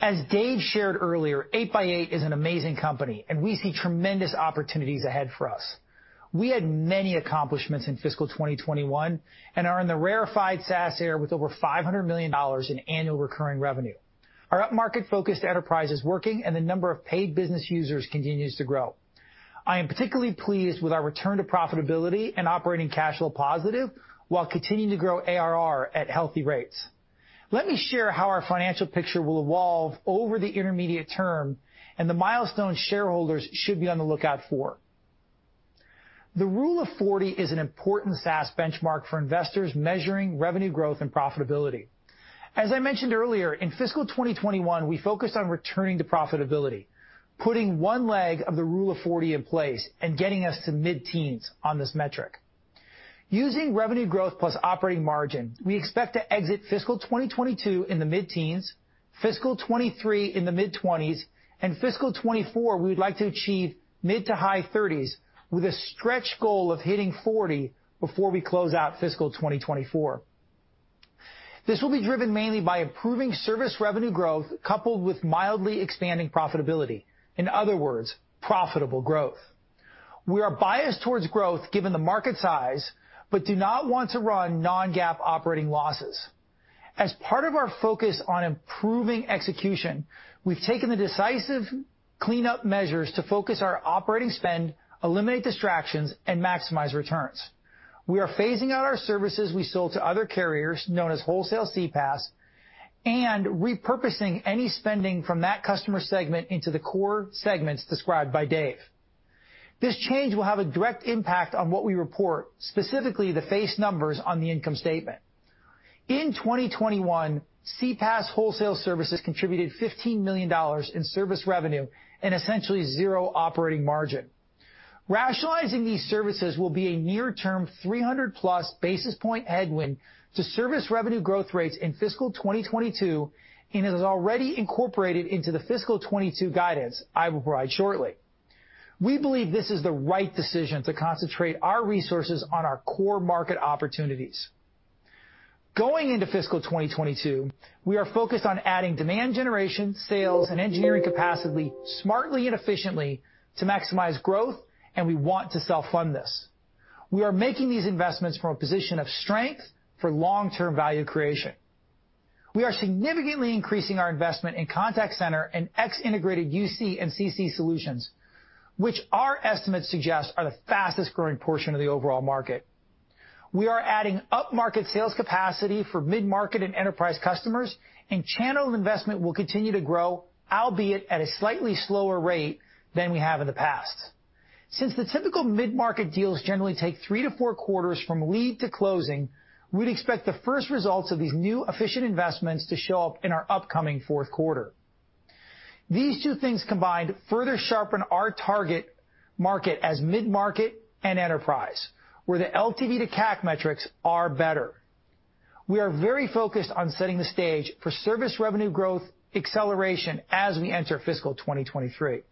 As Dave shared earlier, 8x8 is an amazing company, and we see tremendous opportunities ahead for us. We had many accomplishments in fiscal 2021 and are in the rarefied SaaS air with over $500 million in annual recurring revenue. Our upmarket-focused enterprise is working, and the number of paid business users continues to grow. I am particularly pleased with our return to profitability and operating cash flow positive while continuing to grow ARR at healthy rates. Let me share how our financial picture will evolve over the intermediate term and the milestones shareholders should be on the lookout for. The Rule of 40 is an important SaaS benchmark for investors measuring revenue growth and profitability. As I mentioned earlier, in fiscal 2021, we focused on returning to profitability, putting one leg of the Rule of 40 in place and getting us to mid-teens on this metric. Using revenue growth plus operating margin, we expect to exit fiscal 2022 in the mid-teens, fiscal 2023 in the mid-20s, and fiscal 2024, we'd like to achieve mid to high 30s with a stretch goal of hitting 40 before we close out fiscal 2024. This will be driven mainly by improving service revenue growth, coupled with mildly expanding profitability. In other words, profitable growth. We are biased towards growth given the market size, but do not want to run non-GAAP operating losses. As part of our focus on improving execution, we've taken the decisive cleanup measures to focus our operating spend, eliminate distractions, and maximize returns. We are phasing out our services we sold to other carriers, known as wholesale CPaaS, and repurposing any spending from that customer segment into the core segments described by Dave. This change will have a direct impact on what we report, specifically the face numbers on the income statement. In 2021, CPaaS wholesale services contributed $15 million in service revenue and essentially zero operating margin. Rationalizing these services will be a near-term 300+ basis point headwind to service revenue growth rates in fiscal 2022, and it is already incorporated into the fiscal 2022 guidance I will provide shortly. We believe this is the right decision to concentrate our resources on our core market opportunities. Going into fiscal 2022, we are focused on adding demand generation, sales, and engineering capacity smartly and efficiently to maximize growth, and we want to self-fund this. We are making these investments from a position of strength for long-term value creation. We are significantly increasing our investment in Contact Center and X Series integrated UC and CC solutions, which our estimates suggest are the fastest-growing portion of the overall market. We are adding upmarket sales capacity for mid-market and enterprise customers. Channel investment will continue to grow, albeit at a slightly slower rate than we have in the past. Since the typical mid-market deals generally take three to four quarters from lead to closing, we would expect the first results of these new efficient investments to show up in our upcoming fourth quarter. These two things combined further sharpen our target market as mid-market and enterprise, where the LTV to CAC metrics are better. We are very focused on setting the stage for service revenue growth acceleration as we enter fiscal 2023.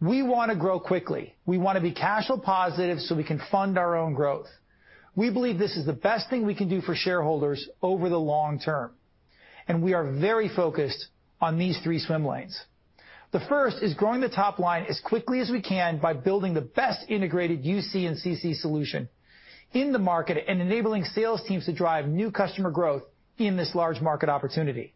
We want to grow quickly. We want to be cash flow positive so we can fund our own growth. We believe this is the best thing we can do for shareholders over the long term. We are very focused on these three swim lanes. The first is growing the top line as quickly as we can by building the best integrated UC and CC solution in the market and enabling sales teams to drive new customer growth in this large market opportunity.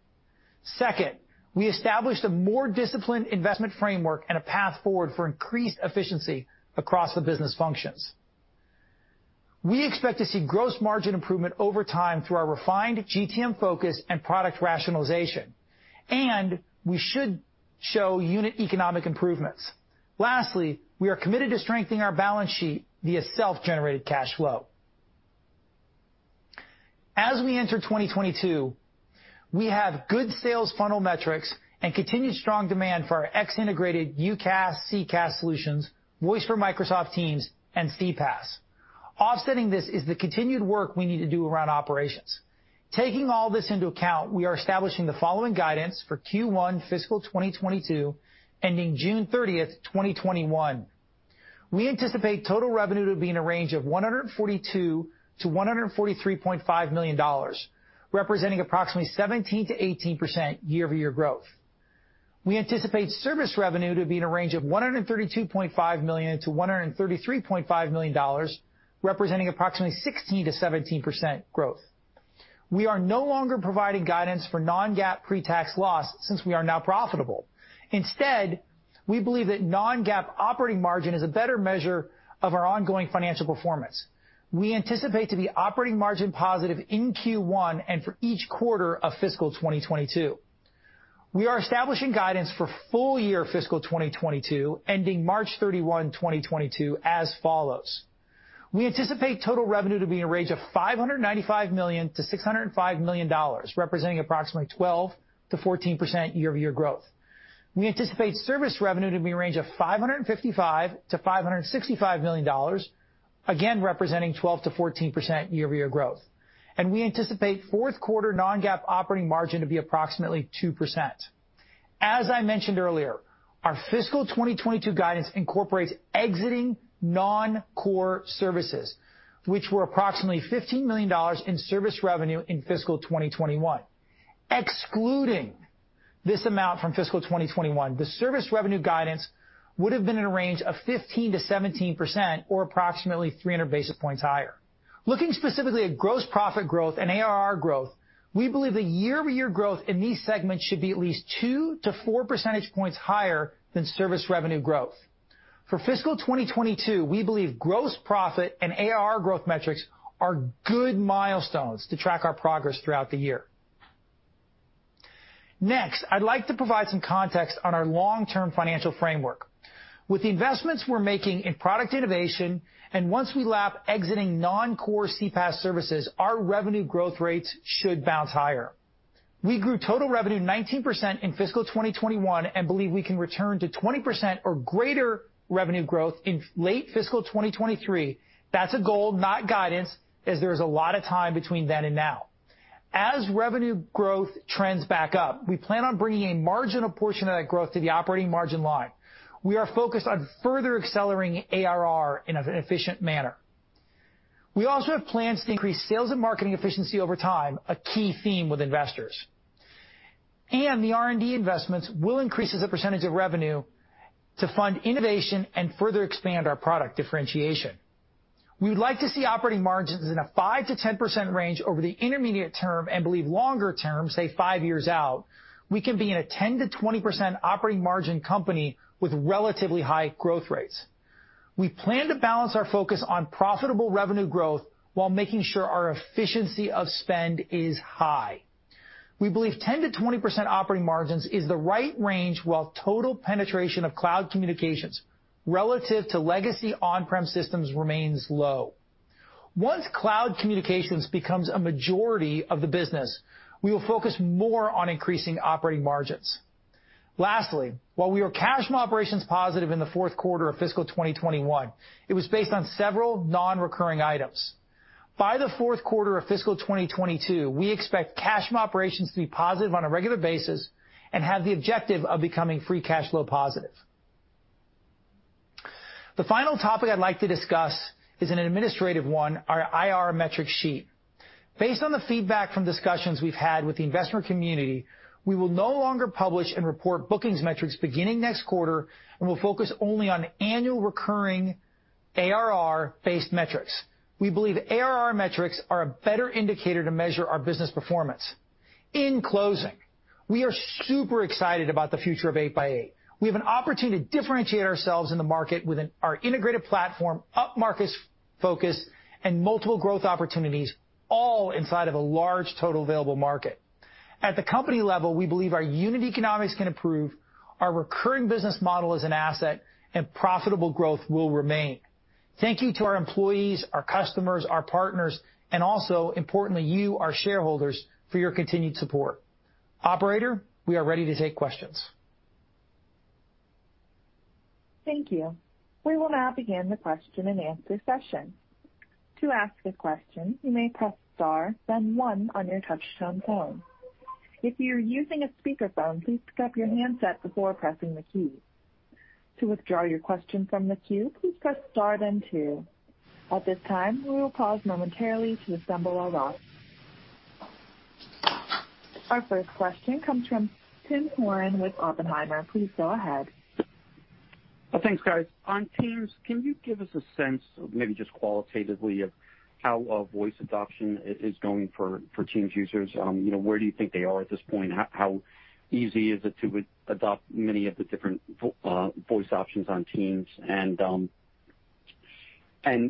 Second, we established a more disciplined investment framework and a path forward for increased efficiency across the business functions. We expect to see gross margin improvement over time through our refined GTM focus and product rationalization. We should show unit economic improvements. Lastly, we are committed to strengthening our balance sheet via self-generated cash flow. As we enter 2022, we have good sales funnel metrics and continued strong demand for our X Series integrated UCaaS, CCaaS solutions, 8x8 Voice for Microsoft Teams, and CPaaS. Offsetting this is the continued work we need to do around operations. Taking all this into account, we are establishing the following guidance for Q1 fiscal 2022 ending June 30th, 2021. We anticipate total revenue to be in a range of $142 million-$143.5 million, representing approximately 17%-18% year-over-year growth. We anticipate service revenue to be in a range of $132.5 million-$133.5 million, representing approximately 16%-17% growth. We are no longer providing guidance for non-GAAP pre-tax loss since we are now profitable. Instead, we believe that non-GAAP operating margin is a better measure of our ongoing financial performance. We anticipate to be operating margin positive in Q1 and for each quarter of fiscal 2022. We are establishing guidance for full year fiscal 2022 ending March 31, 2022 as follows. We anticipate total revenue to be in a range of $595 million-$605 million, representing approximately 12%-14% year-over-year growth. We anticipate service revenue to be in a range of $555 million-$565 million, again, representing 12%-14% year-over-year growth. We anticipate fourth quarter non-GAAP operating margin to be approximately 2%. As I mentioned earlier, our fiscal 2022 guidance incorporates exiting non-core services, which were approximately $15 million in service revenue in fiscal 2021. Excluding this amount from fiscal 2021, the service revenue guidance would have been in a range of 15%-17%, or approximately 300 basis points higher. Looking specifically at gross profit growth and ARR growth, we believe the year-over-year growth in these segments should be at least 2-4 percentage points higher than service revenue growth. For fiscal 2022, we believe gross profit and ARR growth metrics are good milestones to track our progress throughout the year. Next, I'd like to provide some context on our long-term financial framework. With the investments we're making in product innovation, and once we lap exiting non-core CPaaS services, our revenue growth rates should bounce higher. We grew total revenue 19% in fiscal 2021 and believe we can return to 20% or greater revenue growth in late fiscal 2023. That's a goal, not guidance, as there is a lot of time between then and now. As revenue growth trends back up, we plan on bringing a marginal portion of that growth to the operating margin line. We are focused on further accelerating ARR in an efficient manner. We also have plans to increase sales and marketing efficiency over time, a key theme with investors. The R&D investments will increase as a percentage of revenue to fund innovation and further expand our product differentiation. We would like to see operating margins in a 5%-10% range over the intermediate term and believe longer term, say five years out, we can be in a 10%-20% operating margin company with relatively high growth rates. We plan to balance our focus on profitable revenue growth while making sure our efficiency of spend is high. We believe 10%-20% operating margins is the right range while total penetration of cloud communications relative to legacy on-prem systems remains low. Once cloud communications becomes a majority of the business, we will focus more on increasing operating margins. Lastly, while we were cash from operations positive in the fourth quarter of fiscal 2021, it was based on several non-recurring items. By the fourth quarter of fiscal 2022, we expect cash from operations to be positive on a regular basis and have the objective of becoming free cash flow positive. The final topic I'd like to discuss is an administrative one, our IR metric sheet. Based on the feedback from discussions we've had with the investment community, we will no longer publish and report bookings metrics beginning next quarter and will focus only on annual recurring ARR-based metrics. We believe ARR metrics are a better indicator to measure our business performance. We are super excited about the future of 8x8. We have an opportunity to differentiate ourselves in the market with our integrated platform, up-market focus, and multiple growth opportunities, all inside of a large total available market. At the company level, we believe our unit economics can improve, our recurring business model is an asset, and profitable growth will remain. Thank you to our employees, our customers, our partners, and also, importantly, you, our shareholders, for your continued support. Operator, we are ready to take questions. We will now begin the question-and-answer session. To ask a question, you may press star then one on your touch-tone phone. If you're using a speakerphone, please pick up your handset before pressing the keys. To withdraw your question from the queue, please press star then two. At this time, we will pause momentarily to assemble our lot. Our first question comes from Tim Horan with Oppenheimer. Please go ahead. Thanks, guys. On Teams, can you give us a sense, maybe just qualitatively, of how voice adoption is going for Teams users? Where do you think they are at this point? How easy is it to adopt many of the different voice options on Teams?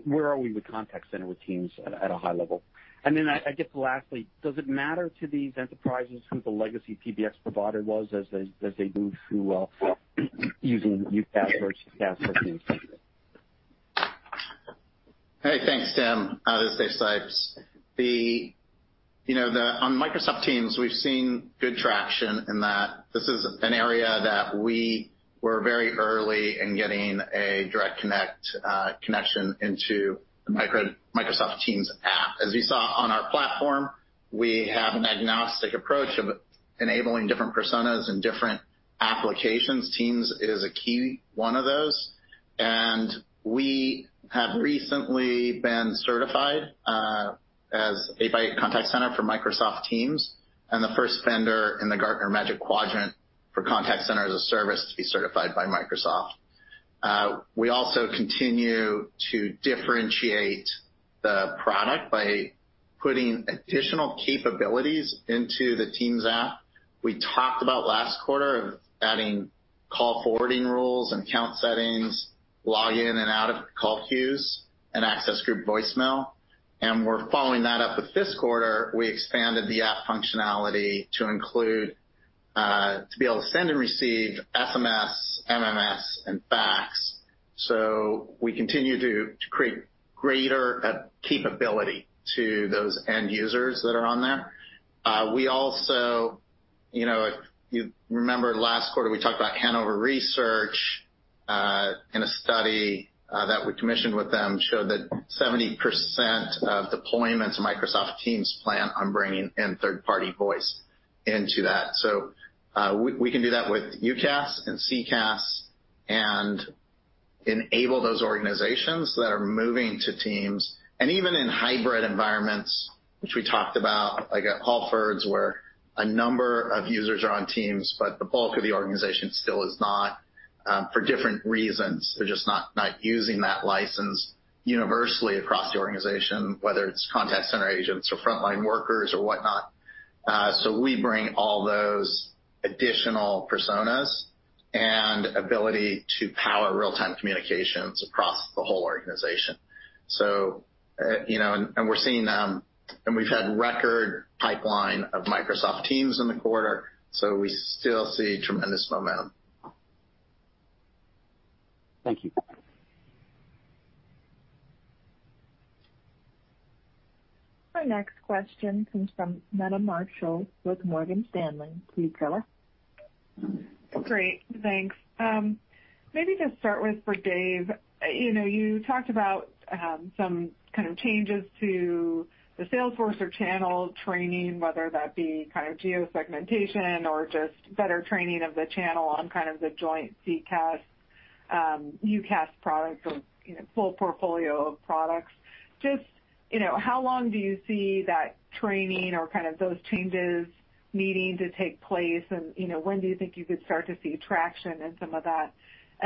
Where are we with Contact Center with Teams at a high level? Then I guess lastly, does it matter to these enterprises who the legacy PBX provider was as they move through using UCaaS versus CCaaS for Teams? Hey, thanks, Tim. This is Dave Sipes. On Microsoft Teams, we've seen good traction in that this is an area that we were very early in getting a direct connection into the Microsoft Teams app. As you saw on our platform, we have an agnostic approach of enabling different personas and different applications. Teams is a key one of those. We have recently been certified as 8x8 Contact Center for Microsoft Teams and the first vendor in the Gartner Magic Quadrant for Contact Center as a Service to be certified by Microsoft. We also continue to differentiate the product by putting additional capabilities into the Teams app. We talked about last quarter of adding call forwarding rules and count settings, log in and out of call queues, and access group voicemail. We're following that up with this quarter, we expanded the app functionality to be able to send and receive SMS, MMS, and fax. We continue to create greater capability to those end users that are on there. If you remember last quarter, we talked about Hanover Research in a study that we commissioned with them showed that 70% of deployments of Microsoft Teams plan on bringing in third-party voice into that. We can do that with UCaaS and CCaaS, and enable those organizations that are moving to Teams. Even in hybrid environments, which we talked about, like at Halfords, where a number of users are on Teams, but the bulk of the organization still is not for different reasons. They're just not using that license universally across the organization, whether it's contact center agents or frontline workers or whatnot. We bring all those additional personas and ability to power real-time communications across the whole organization. We've had record pipeline of Microsoft Teams in the quarter, so we still see tremendous momentum. Thank you. Our next question comes from Meta Marshall with Morgan Stanley. Please go ahead. Great. Thanks. Maybe to start with for Dave, you talked about some changes to the salesforce or channel training, whether that be geo-segmentation or just better training of the channel on the joint CCaaS, UCaaS products or full portfolio of products. How long do you see that training or those changes needing to take place, when do you think you could start to see traction in some of that?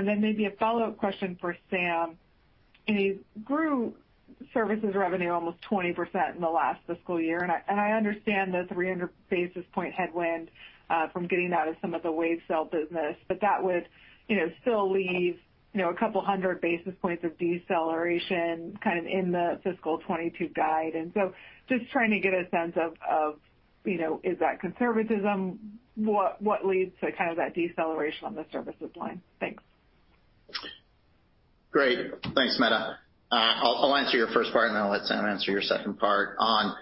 Maybe a follow-up question for Sam. You grew services revenue almost 20% in the last fiscal year, I understand the 300 basis point headwind from getting out of some of the Wavecell business. That would still leave a couple hundred basis points of deceleration in the fiscal 2022 guide. Trying to get a sense of is that conservatism? What leads to kind of that deceleration on the services line? Thanks. Great. Thanks, Meta. I'll answer your first part, and then I'll let Sam answer your second part. On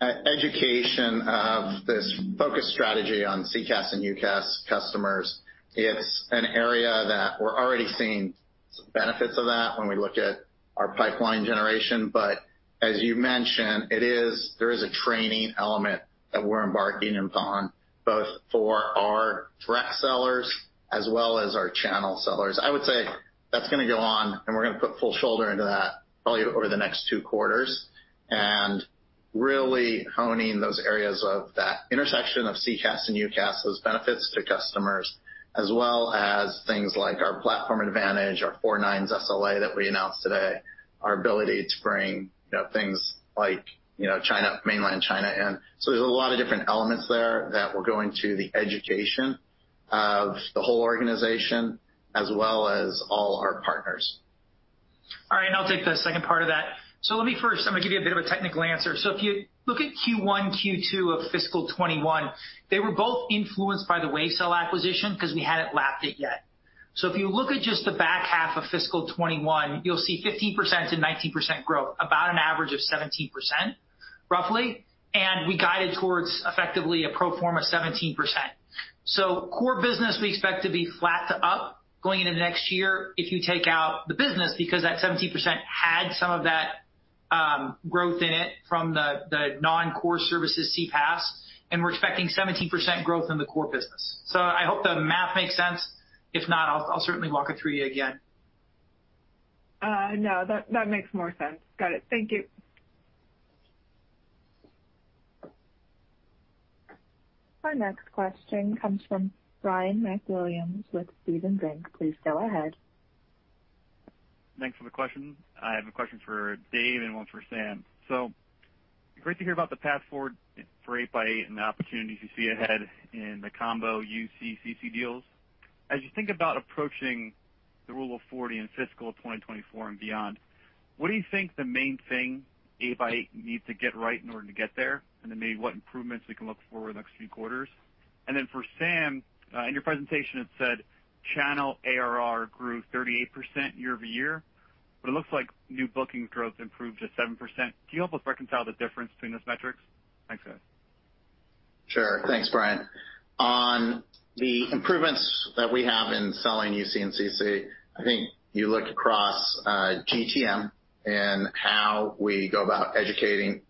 education of this focus strategy on CCaaS and UCaaS customers, it's an area that we're already seeing some benefits of that when we look at our pipeline generation. As you mentioned, there is a training element that we're embarking upon, both for our direct sellers as well as our channel sellers. I would say that's going to go on, and we're going to put full shoulder into that probably over the next two quarters, and really honing those areas of that intersection of CCaaS and UCaaS, those benefits to customers, as well as things like our platform advantage, our 99.99% SLA that we announced today, our ability to bring things like mainland China in. There's a lot of different elements there that will go into the education of the whole organization as well as all our partners. All right. I'll take the second part of that. Let me first, I'm going to give you a bit of a technical answer. If you look at Q1, Q2 of fiscal 2021, they were both influenced by the Wavecell acquisition because we hadn't lapped it yet. If you look at just the back half of fiscal 2021, you'll see 15%-19% growth, about an average of 17%, roughly. We guided towards effectively a pro forma 17%. Core business, we expect to be flat to up going into next year if you take out the business, because that 17% had some of that growth in it from the non-core services CCaaS, and we're expecting 17% growth in the core business. I hope the math makes sense. If not, I'll certainly walk it through you again. No, that makes more sense. Got it. Thank you. Our next question comes from Ryan McWilliams with Stephens Inc. Please go ahead. Thanks for the question. I have a question for Dave and one for Sam. Great to hear about the path forward for 8x8 and the opportunities you see ahead in the combo UC-CC deals. As you think about approaching the Rule of 40 in fiscal 2024 and beyond, what do you think the main thing 8x8 needs to get right in order to get there? Maybe what improvements we can look for in the next few quarters? For Sam, in your presentation, it said channel ARR grew 38% year-over-year, but it looks like new booking growth improved to 7%. Can you help us reconcile the difference between those metrics? Thanks, guys. Sure. Thanks, Ryan. On the improvements that we have in selling UC and CC, I think you look across GTM and how we go about educating,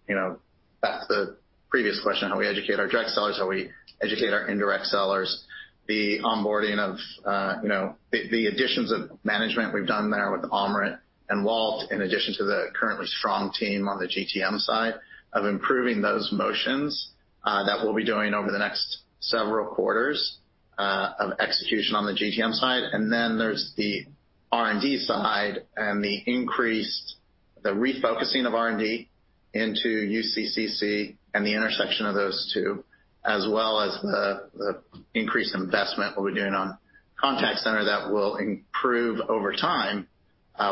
back to the previous question, how we educate our direct sellers, how we educate our indirect sellers, the onboarding of the additions of management we've done there with Amrit and Walt, in addition to the currently strong team on the GTM side of improving those motions that we'll be doing over the next several quarters of execution on the GTM side. Then there's the R&D side and increased refocusing of R&D into UC, CC and the intersection of those two, as well as the increased investment we'll be doing on contact center that will improve over time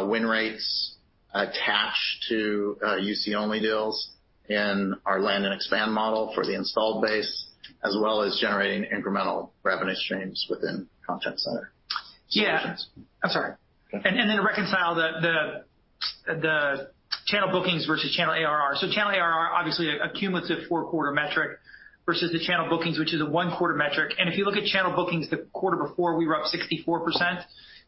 win rates attached to UC-only deals in our land and expand model for the installed base, as well as generating incremental revenue streams within contact center solutions. Yeah. I'm sorry. To reconcile the channel bookings versus channel ARR. Channel ARR, obviously, a cumulative four-quarter metric versus the channel bookings, which is a one-quarter metric. If you look at channel bookings, the quarter before we were up 64%.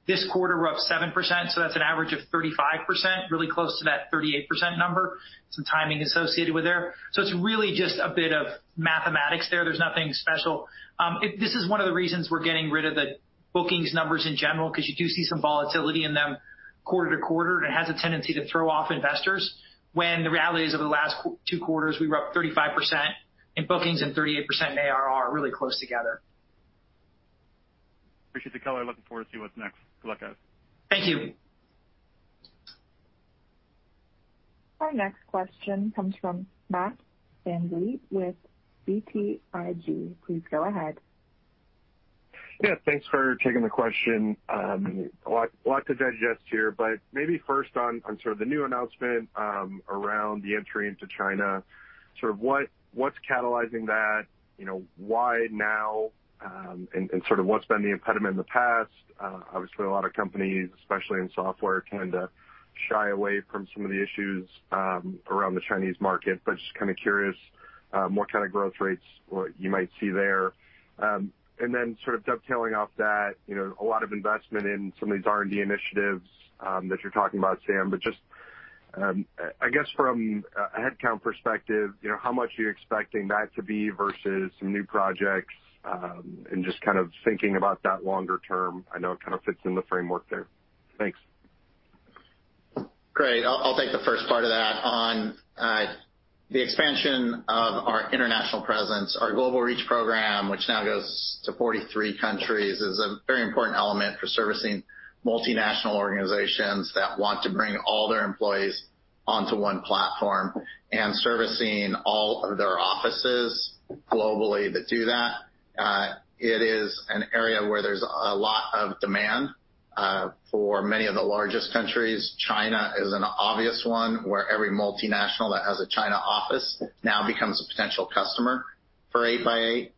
This quarter, we're up 7%, that's an average of 35%, really close to that 38% number, some timing associated with there. It's really just a bit of mathematics there. There's nothing special. This is one of the reasons we're getting rid of the bookings numbers in general, because you do see some volatility in them quarter-to-quarter, and it has a tendency to throw off investors when the reality is over the last two quarters, we were up 35% in bookings and 38% in ARR, really close together. Appreciate the color. Looking forward to see what's next. Good luck, guys. Thank you. Our next question comes from Matt VanVliet with BTIG. Please go ahead. Thanks for taking the question. A lot to digest here, but maybe first on sort of the new announcement around the entry into China, sort of what's catalyzing that? Why now? Sort of what's been the impediment in the past? Obviously, a lot of companies, especially in software, tend to shy away from some of the issues around the Chinese market, but just kind of curious what kind of growth rates you might see there. Then sort of dovetailing off that, a lot of investment in some of these R&D initiatives that you're talking about, Sam, but just, I guess from a headcount perspective, how much are you expecting that to be versus some new projects? Just kind of thinking about that longer term. I know it kind of fits in the framework there. Thanks. Great. I'll take the first part of that on the expansion of our international presence. Our Global Reach program, which now goes to 43 countries, is a very important element for servicing multinational organizations that want to bring all their employees onto one platform, and servicing all of their offices globally that do that. It is an area where there's a lot of demand for many of the largest countries. China is an obvious one where every multinational that has a China office now becomes a potential customer for 8x8.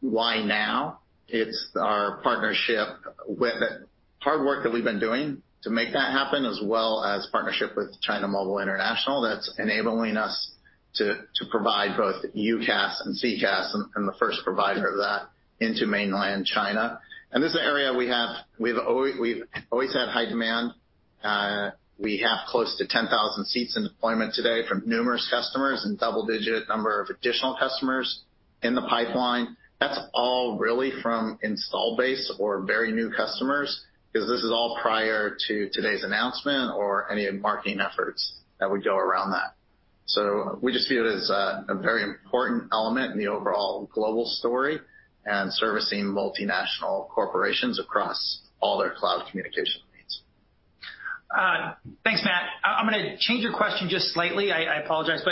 Why now? It's our partnership with hard work that we've been doing to make that happen, as well as partnership with China Mobile International that's enabling us to provide both UCaaS and CCaaS, and the first provider of that into mainland China. This is an area we've always had high demand. We have close to 10,000 seats in deployment today from numerous customers and double-digit number of additional customers in the pipeline. That's all really from install base or very new customers, because this is all prior to today's announcement or any marketing efforts that would go around that. We just view it as a very important element in the overall global story and servicing multinational corporations across all their cloud communication needs. Thanks, Matt. I'm gonna change your question just slightly. I apologize,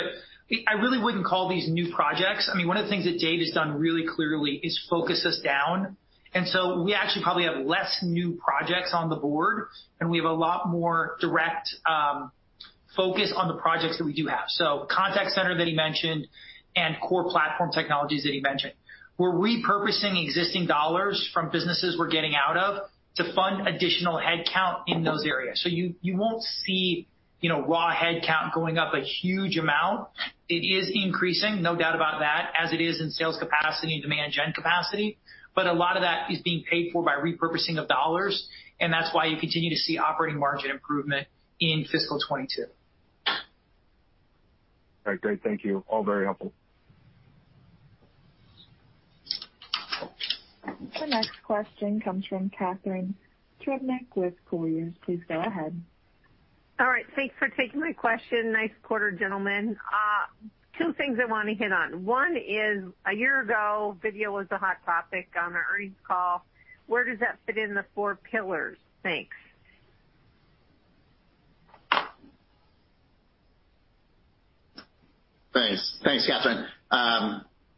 I really wouldn't call these new projects. One of the things that Dave has done really clearly is focus us down, and so we actually probably have less new projects on the board, and we have a lot more direct focus on the projects that we do have. Contact center that he mentioned and core platform technologies that he mentioned. We're repurposing existing dollars from businesses we're getting out of to fund additional headcount in those areas. You won't see raw headcount going up a huge amount. It is increasing, no doubt about that, as it is in sales capacity and demand gen capacity. A lot of that is being paid for by repurposing of dollars, and that's why you continue to see operating margin improvement in fiscal 2022. All right, great. Thank you. All very helpful. The next question comes from Catharine Trebnick with Cowen. Please go ahead. All right. Thanks for taking my question. Nice quarter, gentlemen. Two things I want to hit on. One is, a year ago, video was a hot topic on the earnings call. Where does that fit in the four pillars? Thanks. Thanks. Thanks, Catharine.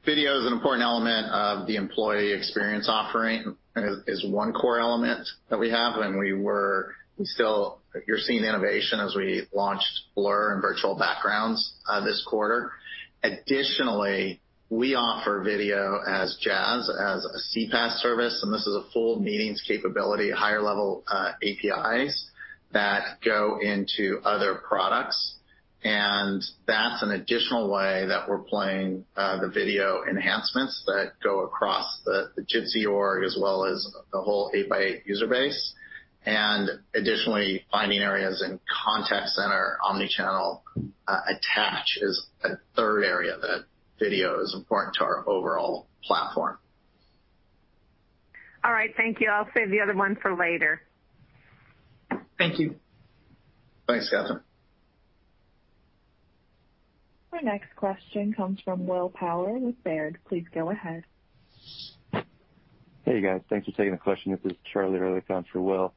Video is an important element of the employee experience offering, is one core element that we have, and you're seeing innovation as we launched blur and virtual backgrounds this quarter. Additionally, we offer video as JaaS, as a CPaaS service, and this is a full meetings capability, higher level APIs that go into other products. That's an additional way that we're playing the video enhancements that go across the Jitsi org, as well as the whole 8x8 user base. Additionally, finding areas in Contact Center omnichannel attach is a third area that video is important to our overall platform. All right. Thank you. I'll save the other one for later. Thank you. Thanks, Catharine. Our next question comes from Will Power with Baird. Please go ahead. Hey, guys. Thanks for taking the question. This is Charlie Erlikh on for Will.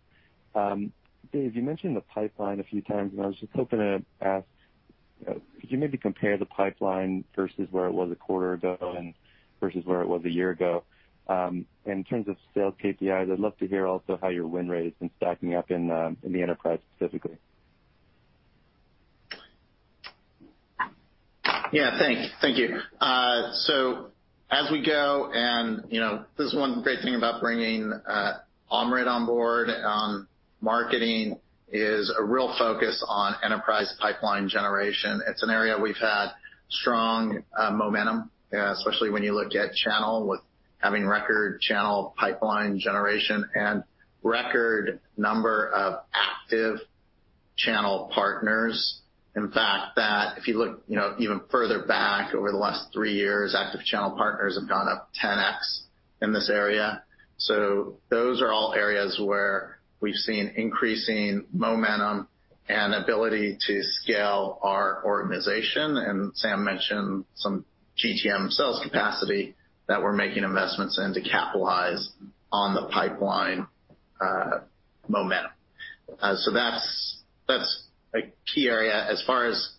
Dave, you mentioned the pipeline a few times, and I was just hoping to ask, could you maybe compare the pipeline versus where it was a quarter ago and versus where it was a year ago? In terms of sales KPIs, I'd love to hear also how your win rate has been stacking up in the enterprise specifically. Yeah. Thank you. As we go, and this is one great thing about bringing Amrit on board on marketing is a real focus on enterprise pipeline generation. It's an area we've had strong momentum, especially when you look at channel with having record channel pipeline generation and record number of active channel partners. In fact, that if you look even further back over the last three years, active channel partners have gone up 10x in this area. Those are all areas where we've seen increasing momentum and ability to scale our organization. Sam mentioned some GTM sales capacity that we're making investments in to capitalize on the pipeline momentum. That's a key area. As far as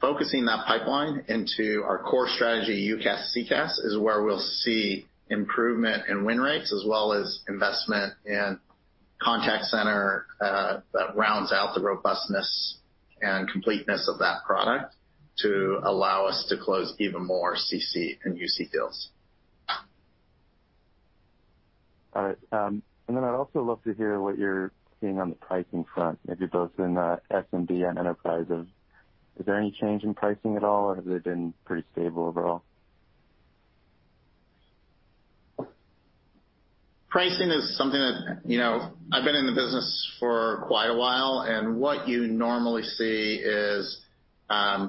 focusing that pipeline into our core strategy, UCaaS, CCaaS is where we'll see improvement in win rates as well as investment in contact center that rounds out the robustness and completeness of that product to allow us to close even more CC and UC deals. All right. I'd also love to hear what you're seeing on the pricing front, maybe both in SMB and enterprise. Is there any change in pricing at all, or has it been pretty stable overall? Pricing is something that I've been in the business for quite a while. What you normally see is, as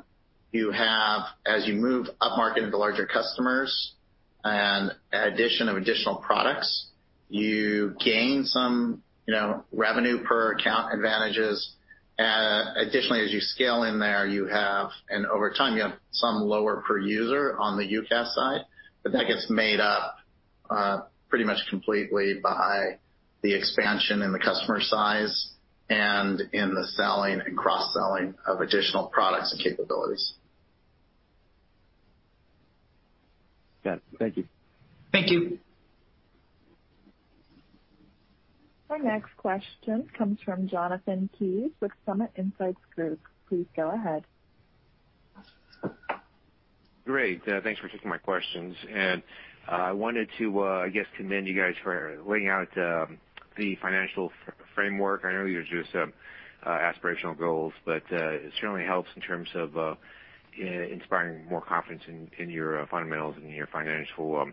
you move upmarket into larger customers and addition of additional products, you gain some revenue per account advantages. Additionally, as you scale in there, over time, you have some lower per user on the UCaaS side. That gets made up pretty much completely by the expansion in the customer size and in the selling and cross-selling of additional products and capabilities. Got it. Thank you. Thank you. Our next question comes from Jonathan Kees with Summit Insights Group. Please go ahead. Great. Thanks for taking my questions. I wanted to, I guess, commend you guys for laying out the financial framework. I know these are just aspirational goals, but it certainly helps in terms of inspiring more confidence in your fundamentals and your financial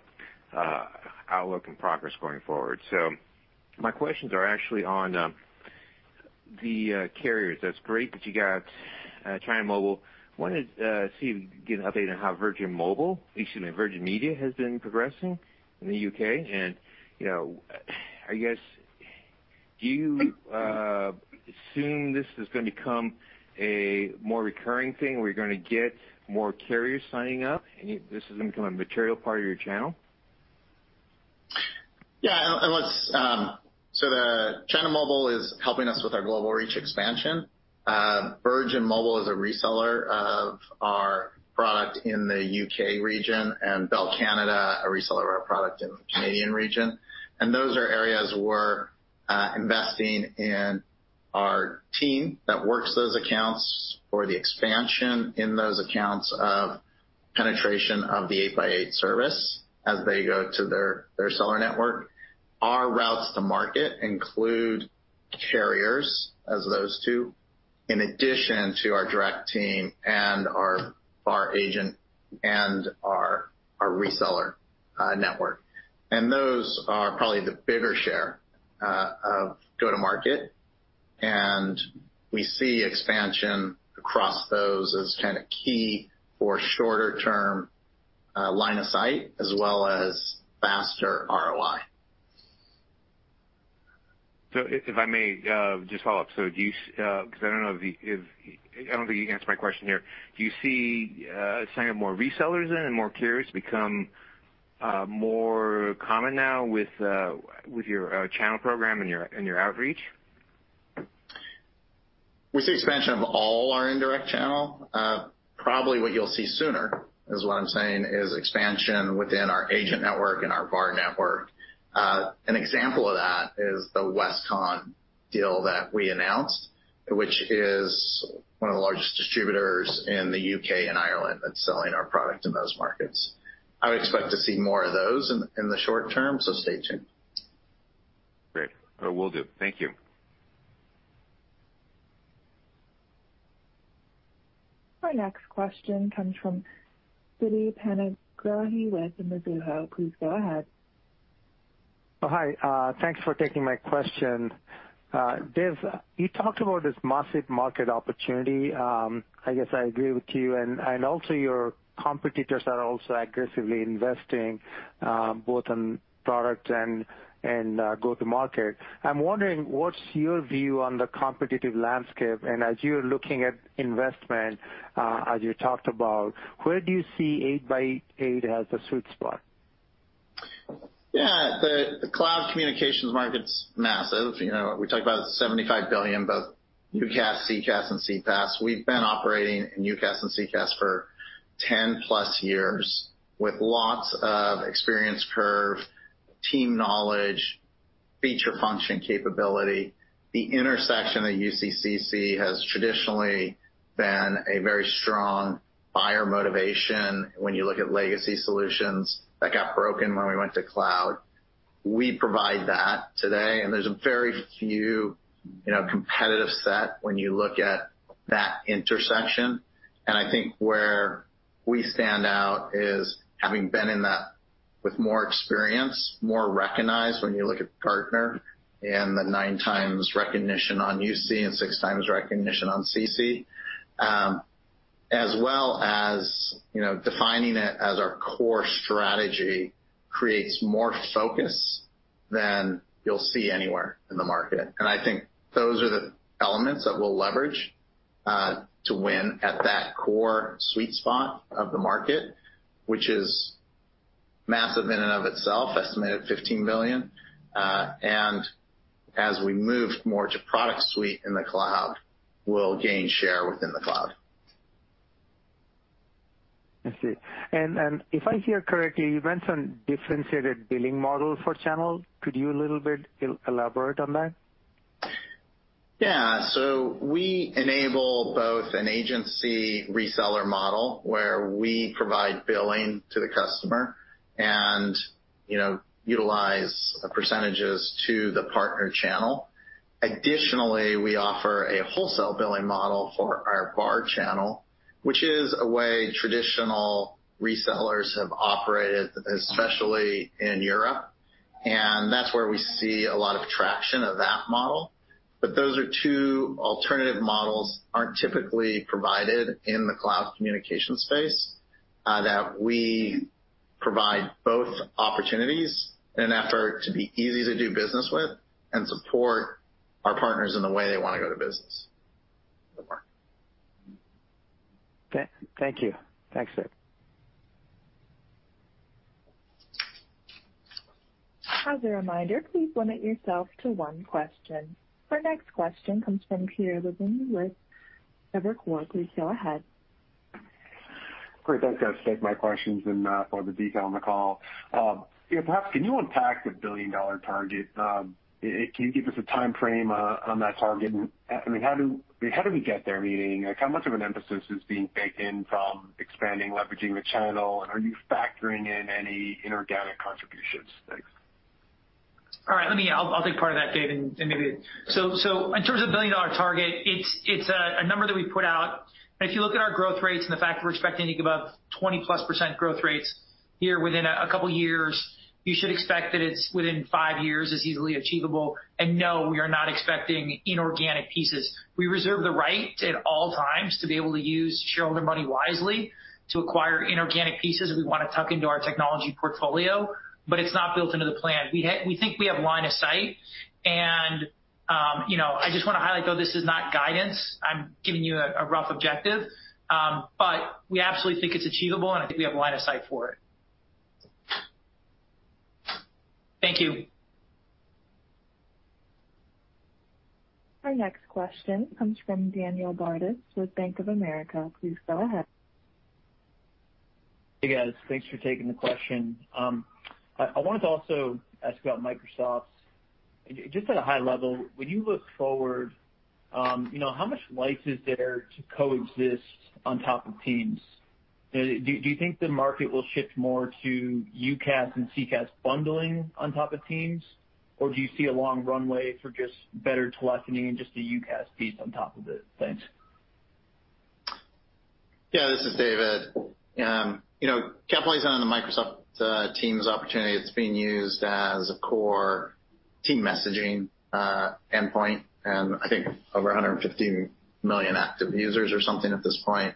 outlook and progress going forward. My questions are actually on the carriers. That's great that you got China Mobile. Wanted to see if you can get an update on how Virgin Media has been progressing in the U.K., and I guess, do you assume this is going to become a more recurring thing, where you're going to get more carriers signing up, and this is going to become a material part of your channel? Yeah. The China Mobile is helping us with our Global Reach expansion. Virgin Media is a reseller of our product in the U.K. region, and Bell Canada, a reseller of our product in the Canadian region. Those are areas we're investing in our team that works those accounts for the expansion in those accounts of penetration of the 8x8 service as they go to their seller network. Our routes to market include carriers as those two, in addition to our direct team and our VAR agent and our reseller network. Those are probably the bigger share of go-to-market. We see expansion across those as kind of key for shorter term line of sight as well as faster ROI. If I may just follow up. I don't think you answered my question here. Do you see signing up more resellers in and more carriers become more common now with your channel program and your outreach? We see expansion of all our indirect channel. Probably what you'll see sooner, is what I'm saying, is expansion within our agent network and our VAR network. An example of that is the Westcon deal that we announced, which is one of the largest distributors in the U.K. and Ireland that's selling our product in those markets. I would expect to see more of those in the short term. Stay tuned. Great. Will do. Thank you. Our next question comes from Siti Panigrahi with Mizuho. Please go ahead. Hi. Thanks for taking my question. Dave, you talked about this massive market opportunity. I guess I agree with you, and also your competitors are also aggressively investing, both on product and go to market. I'm wondering what's your view on the competitive landscape, and as you're looking at investment, as you talked about, where do you see 8x8 as a sweet spot? Yeah. The cloud communications market's massive. We talk about $75 billion, both UCaaS, CCaaS, and CPaaS. We've been operating in UCaaS and CCaaS for 10+ years with lots of experience curve, team knowledge, feature function capability. The intersection of UC, CC has traditionally been a very strong buyer motivation when you look at legacy solutions that got broken when we went to cloud. We provide that today. There's a very few competitive set when you look at that intersection. I think where we stand out is having been in that with more experience, more recognized when you look at Gartner and the nine times recognition on UC, and six times recognition on CC, as well as defining it as our core strategy creates more focus than you'll see anywhere in the market. I think those are the elements that we'll leverage to win at that core sweet spot of the market, which is massive in and of itself, estimated $15 billion. As we move more to product suite in the cloud, we'll gain share within the cloud. I see. If I hear correctly, you mentioned differentiated billing model for channel. Could you a little bit elaborate on that? We enable both an agency reseller model where we provide billing to the customer and utilize percentages to the partner channel. Additionally, we offer a wholesale billing model for our VAR channel, which is a way traditional resellers have operated, especially in Europe, and that's where we see a lot of traction of that model. Those are two alternative models aren't typically provided in the cloud communication space, that we provide both opportunities in an effort to be easy to do business with and support our partners in the way they want to go to business in the market. Okay. Thank you. Thanks, Dave. As a reminder, please limit yourself to one question. Our next question comes from Peter Levine with Evercore. Please go ahead. Great. Thanks, guys. Take my questions and for the detail on the call. Perhaps can you unpack the billion-dollar target? Can you give us a timeframe on that target? How do we get there? Meaning, how much of an emphasis is being baked in from expanding, leveraging the channel, and are you factoring in any inorganic contributions? Thanks. All right. I'll take part of that, Dave. In terms of the $1 billion target, it's a number that we put out. If you look at our growth rates and the fact we're expecting to give above 20%+ growth rates here within a couple of years, you should expect that it's within five years is easily achievable. No, we are not expecting inorganic pieces. We reserve the right at all times to be able to use shareholder money wisely to acquire inorganic pieces we want to tuck into our technology portfolio, it's not built into the plan. We think we have line of sight, I just want to highlight, though, this is not guidance. I'm giving you a rough objective. We absolutely think it's achievable, I think we have line of sight for it. Thank you. Our next question comes from Daniel Bartus with Bank of America. Please go ahead. Hey, guys. Thanks for taking the question. I wanted to also ask about Microsoft. Just at a high level, when you look forward, how much life is there to coexist on top of Teams? Do you think the market will shift more to UCaaS and CCaaS bundling on top of Teams, or do you see a long runway for just better telephony and just a UCaaS piece on top of it? Thanks. Yeah, this is Dave Sipes. Capitalizing on the Microsoft Teams opportunity, it's being used as a core team messaging endpoint, and I think over 150 million active users or something at this point.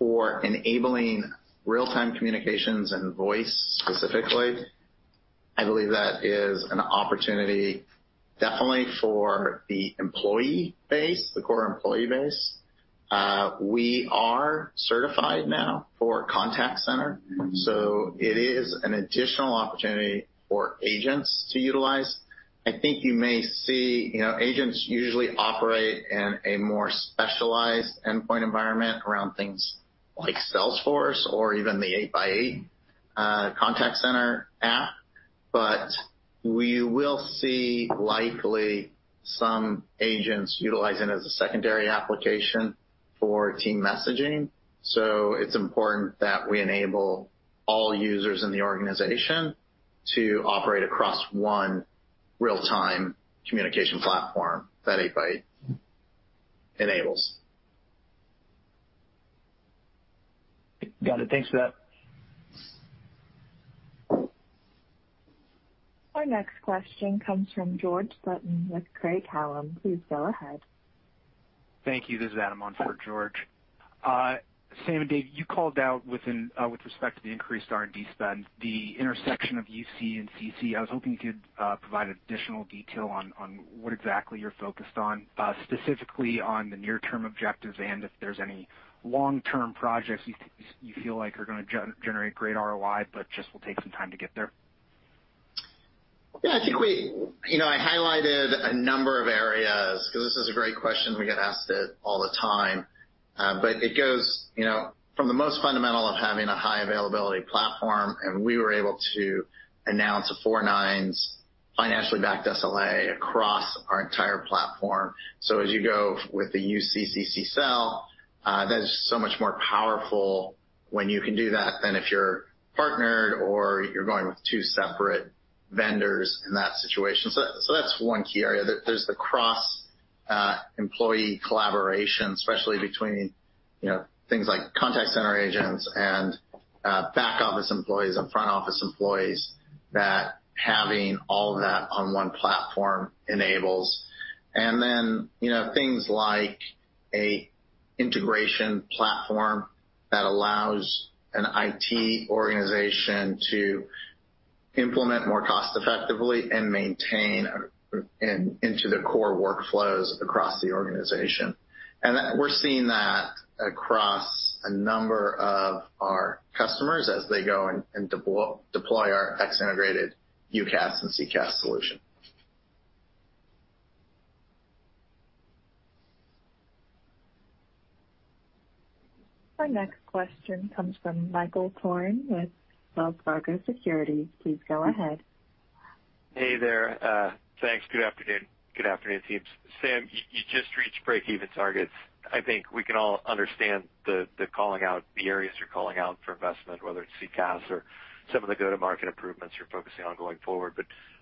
For enabling real-time communications and voice specifically, I believe that is an opportunity definitely for the employee base, the core employee base. We are certified now for contact center, it is an additional opportunity for agents to utilize. I think you may see agents usually operate in a more specialized endpoint environment around things like Salesforce or even the 8x8 Contact Center app. We will see likely some agents utilize it as a secondary application for team messaging. It's important that we enable all users in the organization to operate across one real-time communication platform that 8x8 enables. Got it. Thanks for that. Our next question comes from George Sutton with Craig-Hallum. Please go ahead. Thank you. This is Adam on for George. Sam and Dave, you called out with respect to the increased R&D spend, the intersection of UC and CC. I was hoping you could provide additional detail on what exactly you're focused on, specifically on the near-term objectives, and if there's any long-term projects you feel like are going to generate great ROI but just will take some time to get there. Yeah, I highlighted a number of areas because this is a great question. We get asked it all the time. It goes from the most fundamental of having a high availability platform, and we were able to announce a 99.99% financially backed SLA across our entire platform. As you go with the UCaaS CCaaS, that is so much more powerful when you can do that than if you're partnered or you're going with two separate vendors in that situation. That's one key area. There's the cross-employee collaboration, especially between things like contact center agents and back-office employees and front-office employees that having all that on one platform enables. Then things like an integration platform that allows an IT organization to implement more cost effectively and maintain into the core workflows across the organization. We're seeing that across a number of our customers as they go and deploy our X integrated UCaaS and CCaaS solution. Our next question comes from Michael Turrin with Wells Fargo Securities. Please go ahead. Hey there. Thanks. Good afternoon. Good afternoon, teams. Sam, you just reached breakeven targets. I think we can all understand the areas you're calling out for investment, whether it's CCaaS or some of the go-to-market improvements you're focusing on going forward.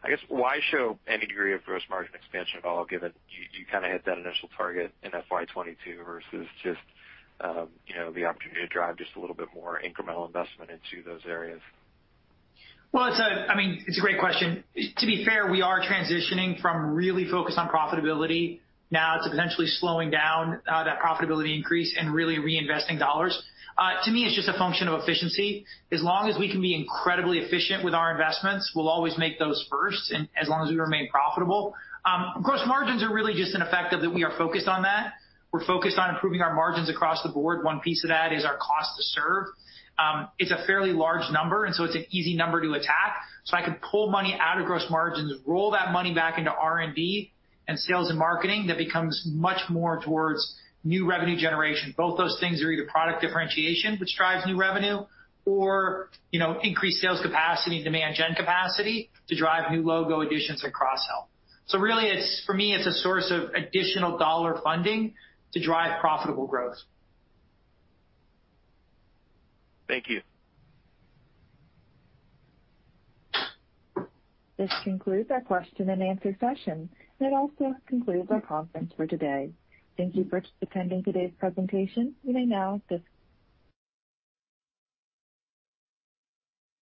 I guess why show any degree of gross margin expansion at all, given you hit that initial target in FY 2022 versus just the opportunity to drive just a little bit more incremental investment into those areas? Well, it's a great question. To be fair, we are transitioning from really focused on profitability now to potentially slowing down that profitability increase and really reinvesting dollars. To me, it's just a function of efficiency. As long as we can be incredibly efficient with our investments, we'll always make those first, and as long as we remain profitable. Gross margins are really just an effect of that we are focused on that. We're focused on improving our margins across the board. One piece of that is our cost to serve. It's a fairly large number. It's an easy number to attack. I can pull money out of gross margins and roll that money back into R&D and sales and marketing. That becomes much more towards new revenue generation. Both those things are either product differentiation, which drives new revenue or increased sales capacity, demand gen capacity to drive new logo additions and cross-sell. Really, for me, it's a source of additional dollar funding to drive profitable growth. Thank you. This concludes our question and answer session. That also concludes our conference for today. Thank you for attending today's presentation.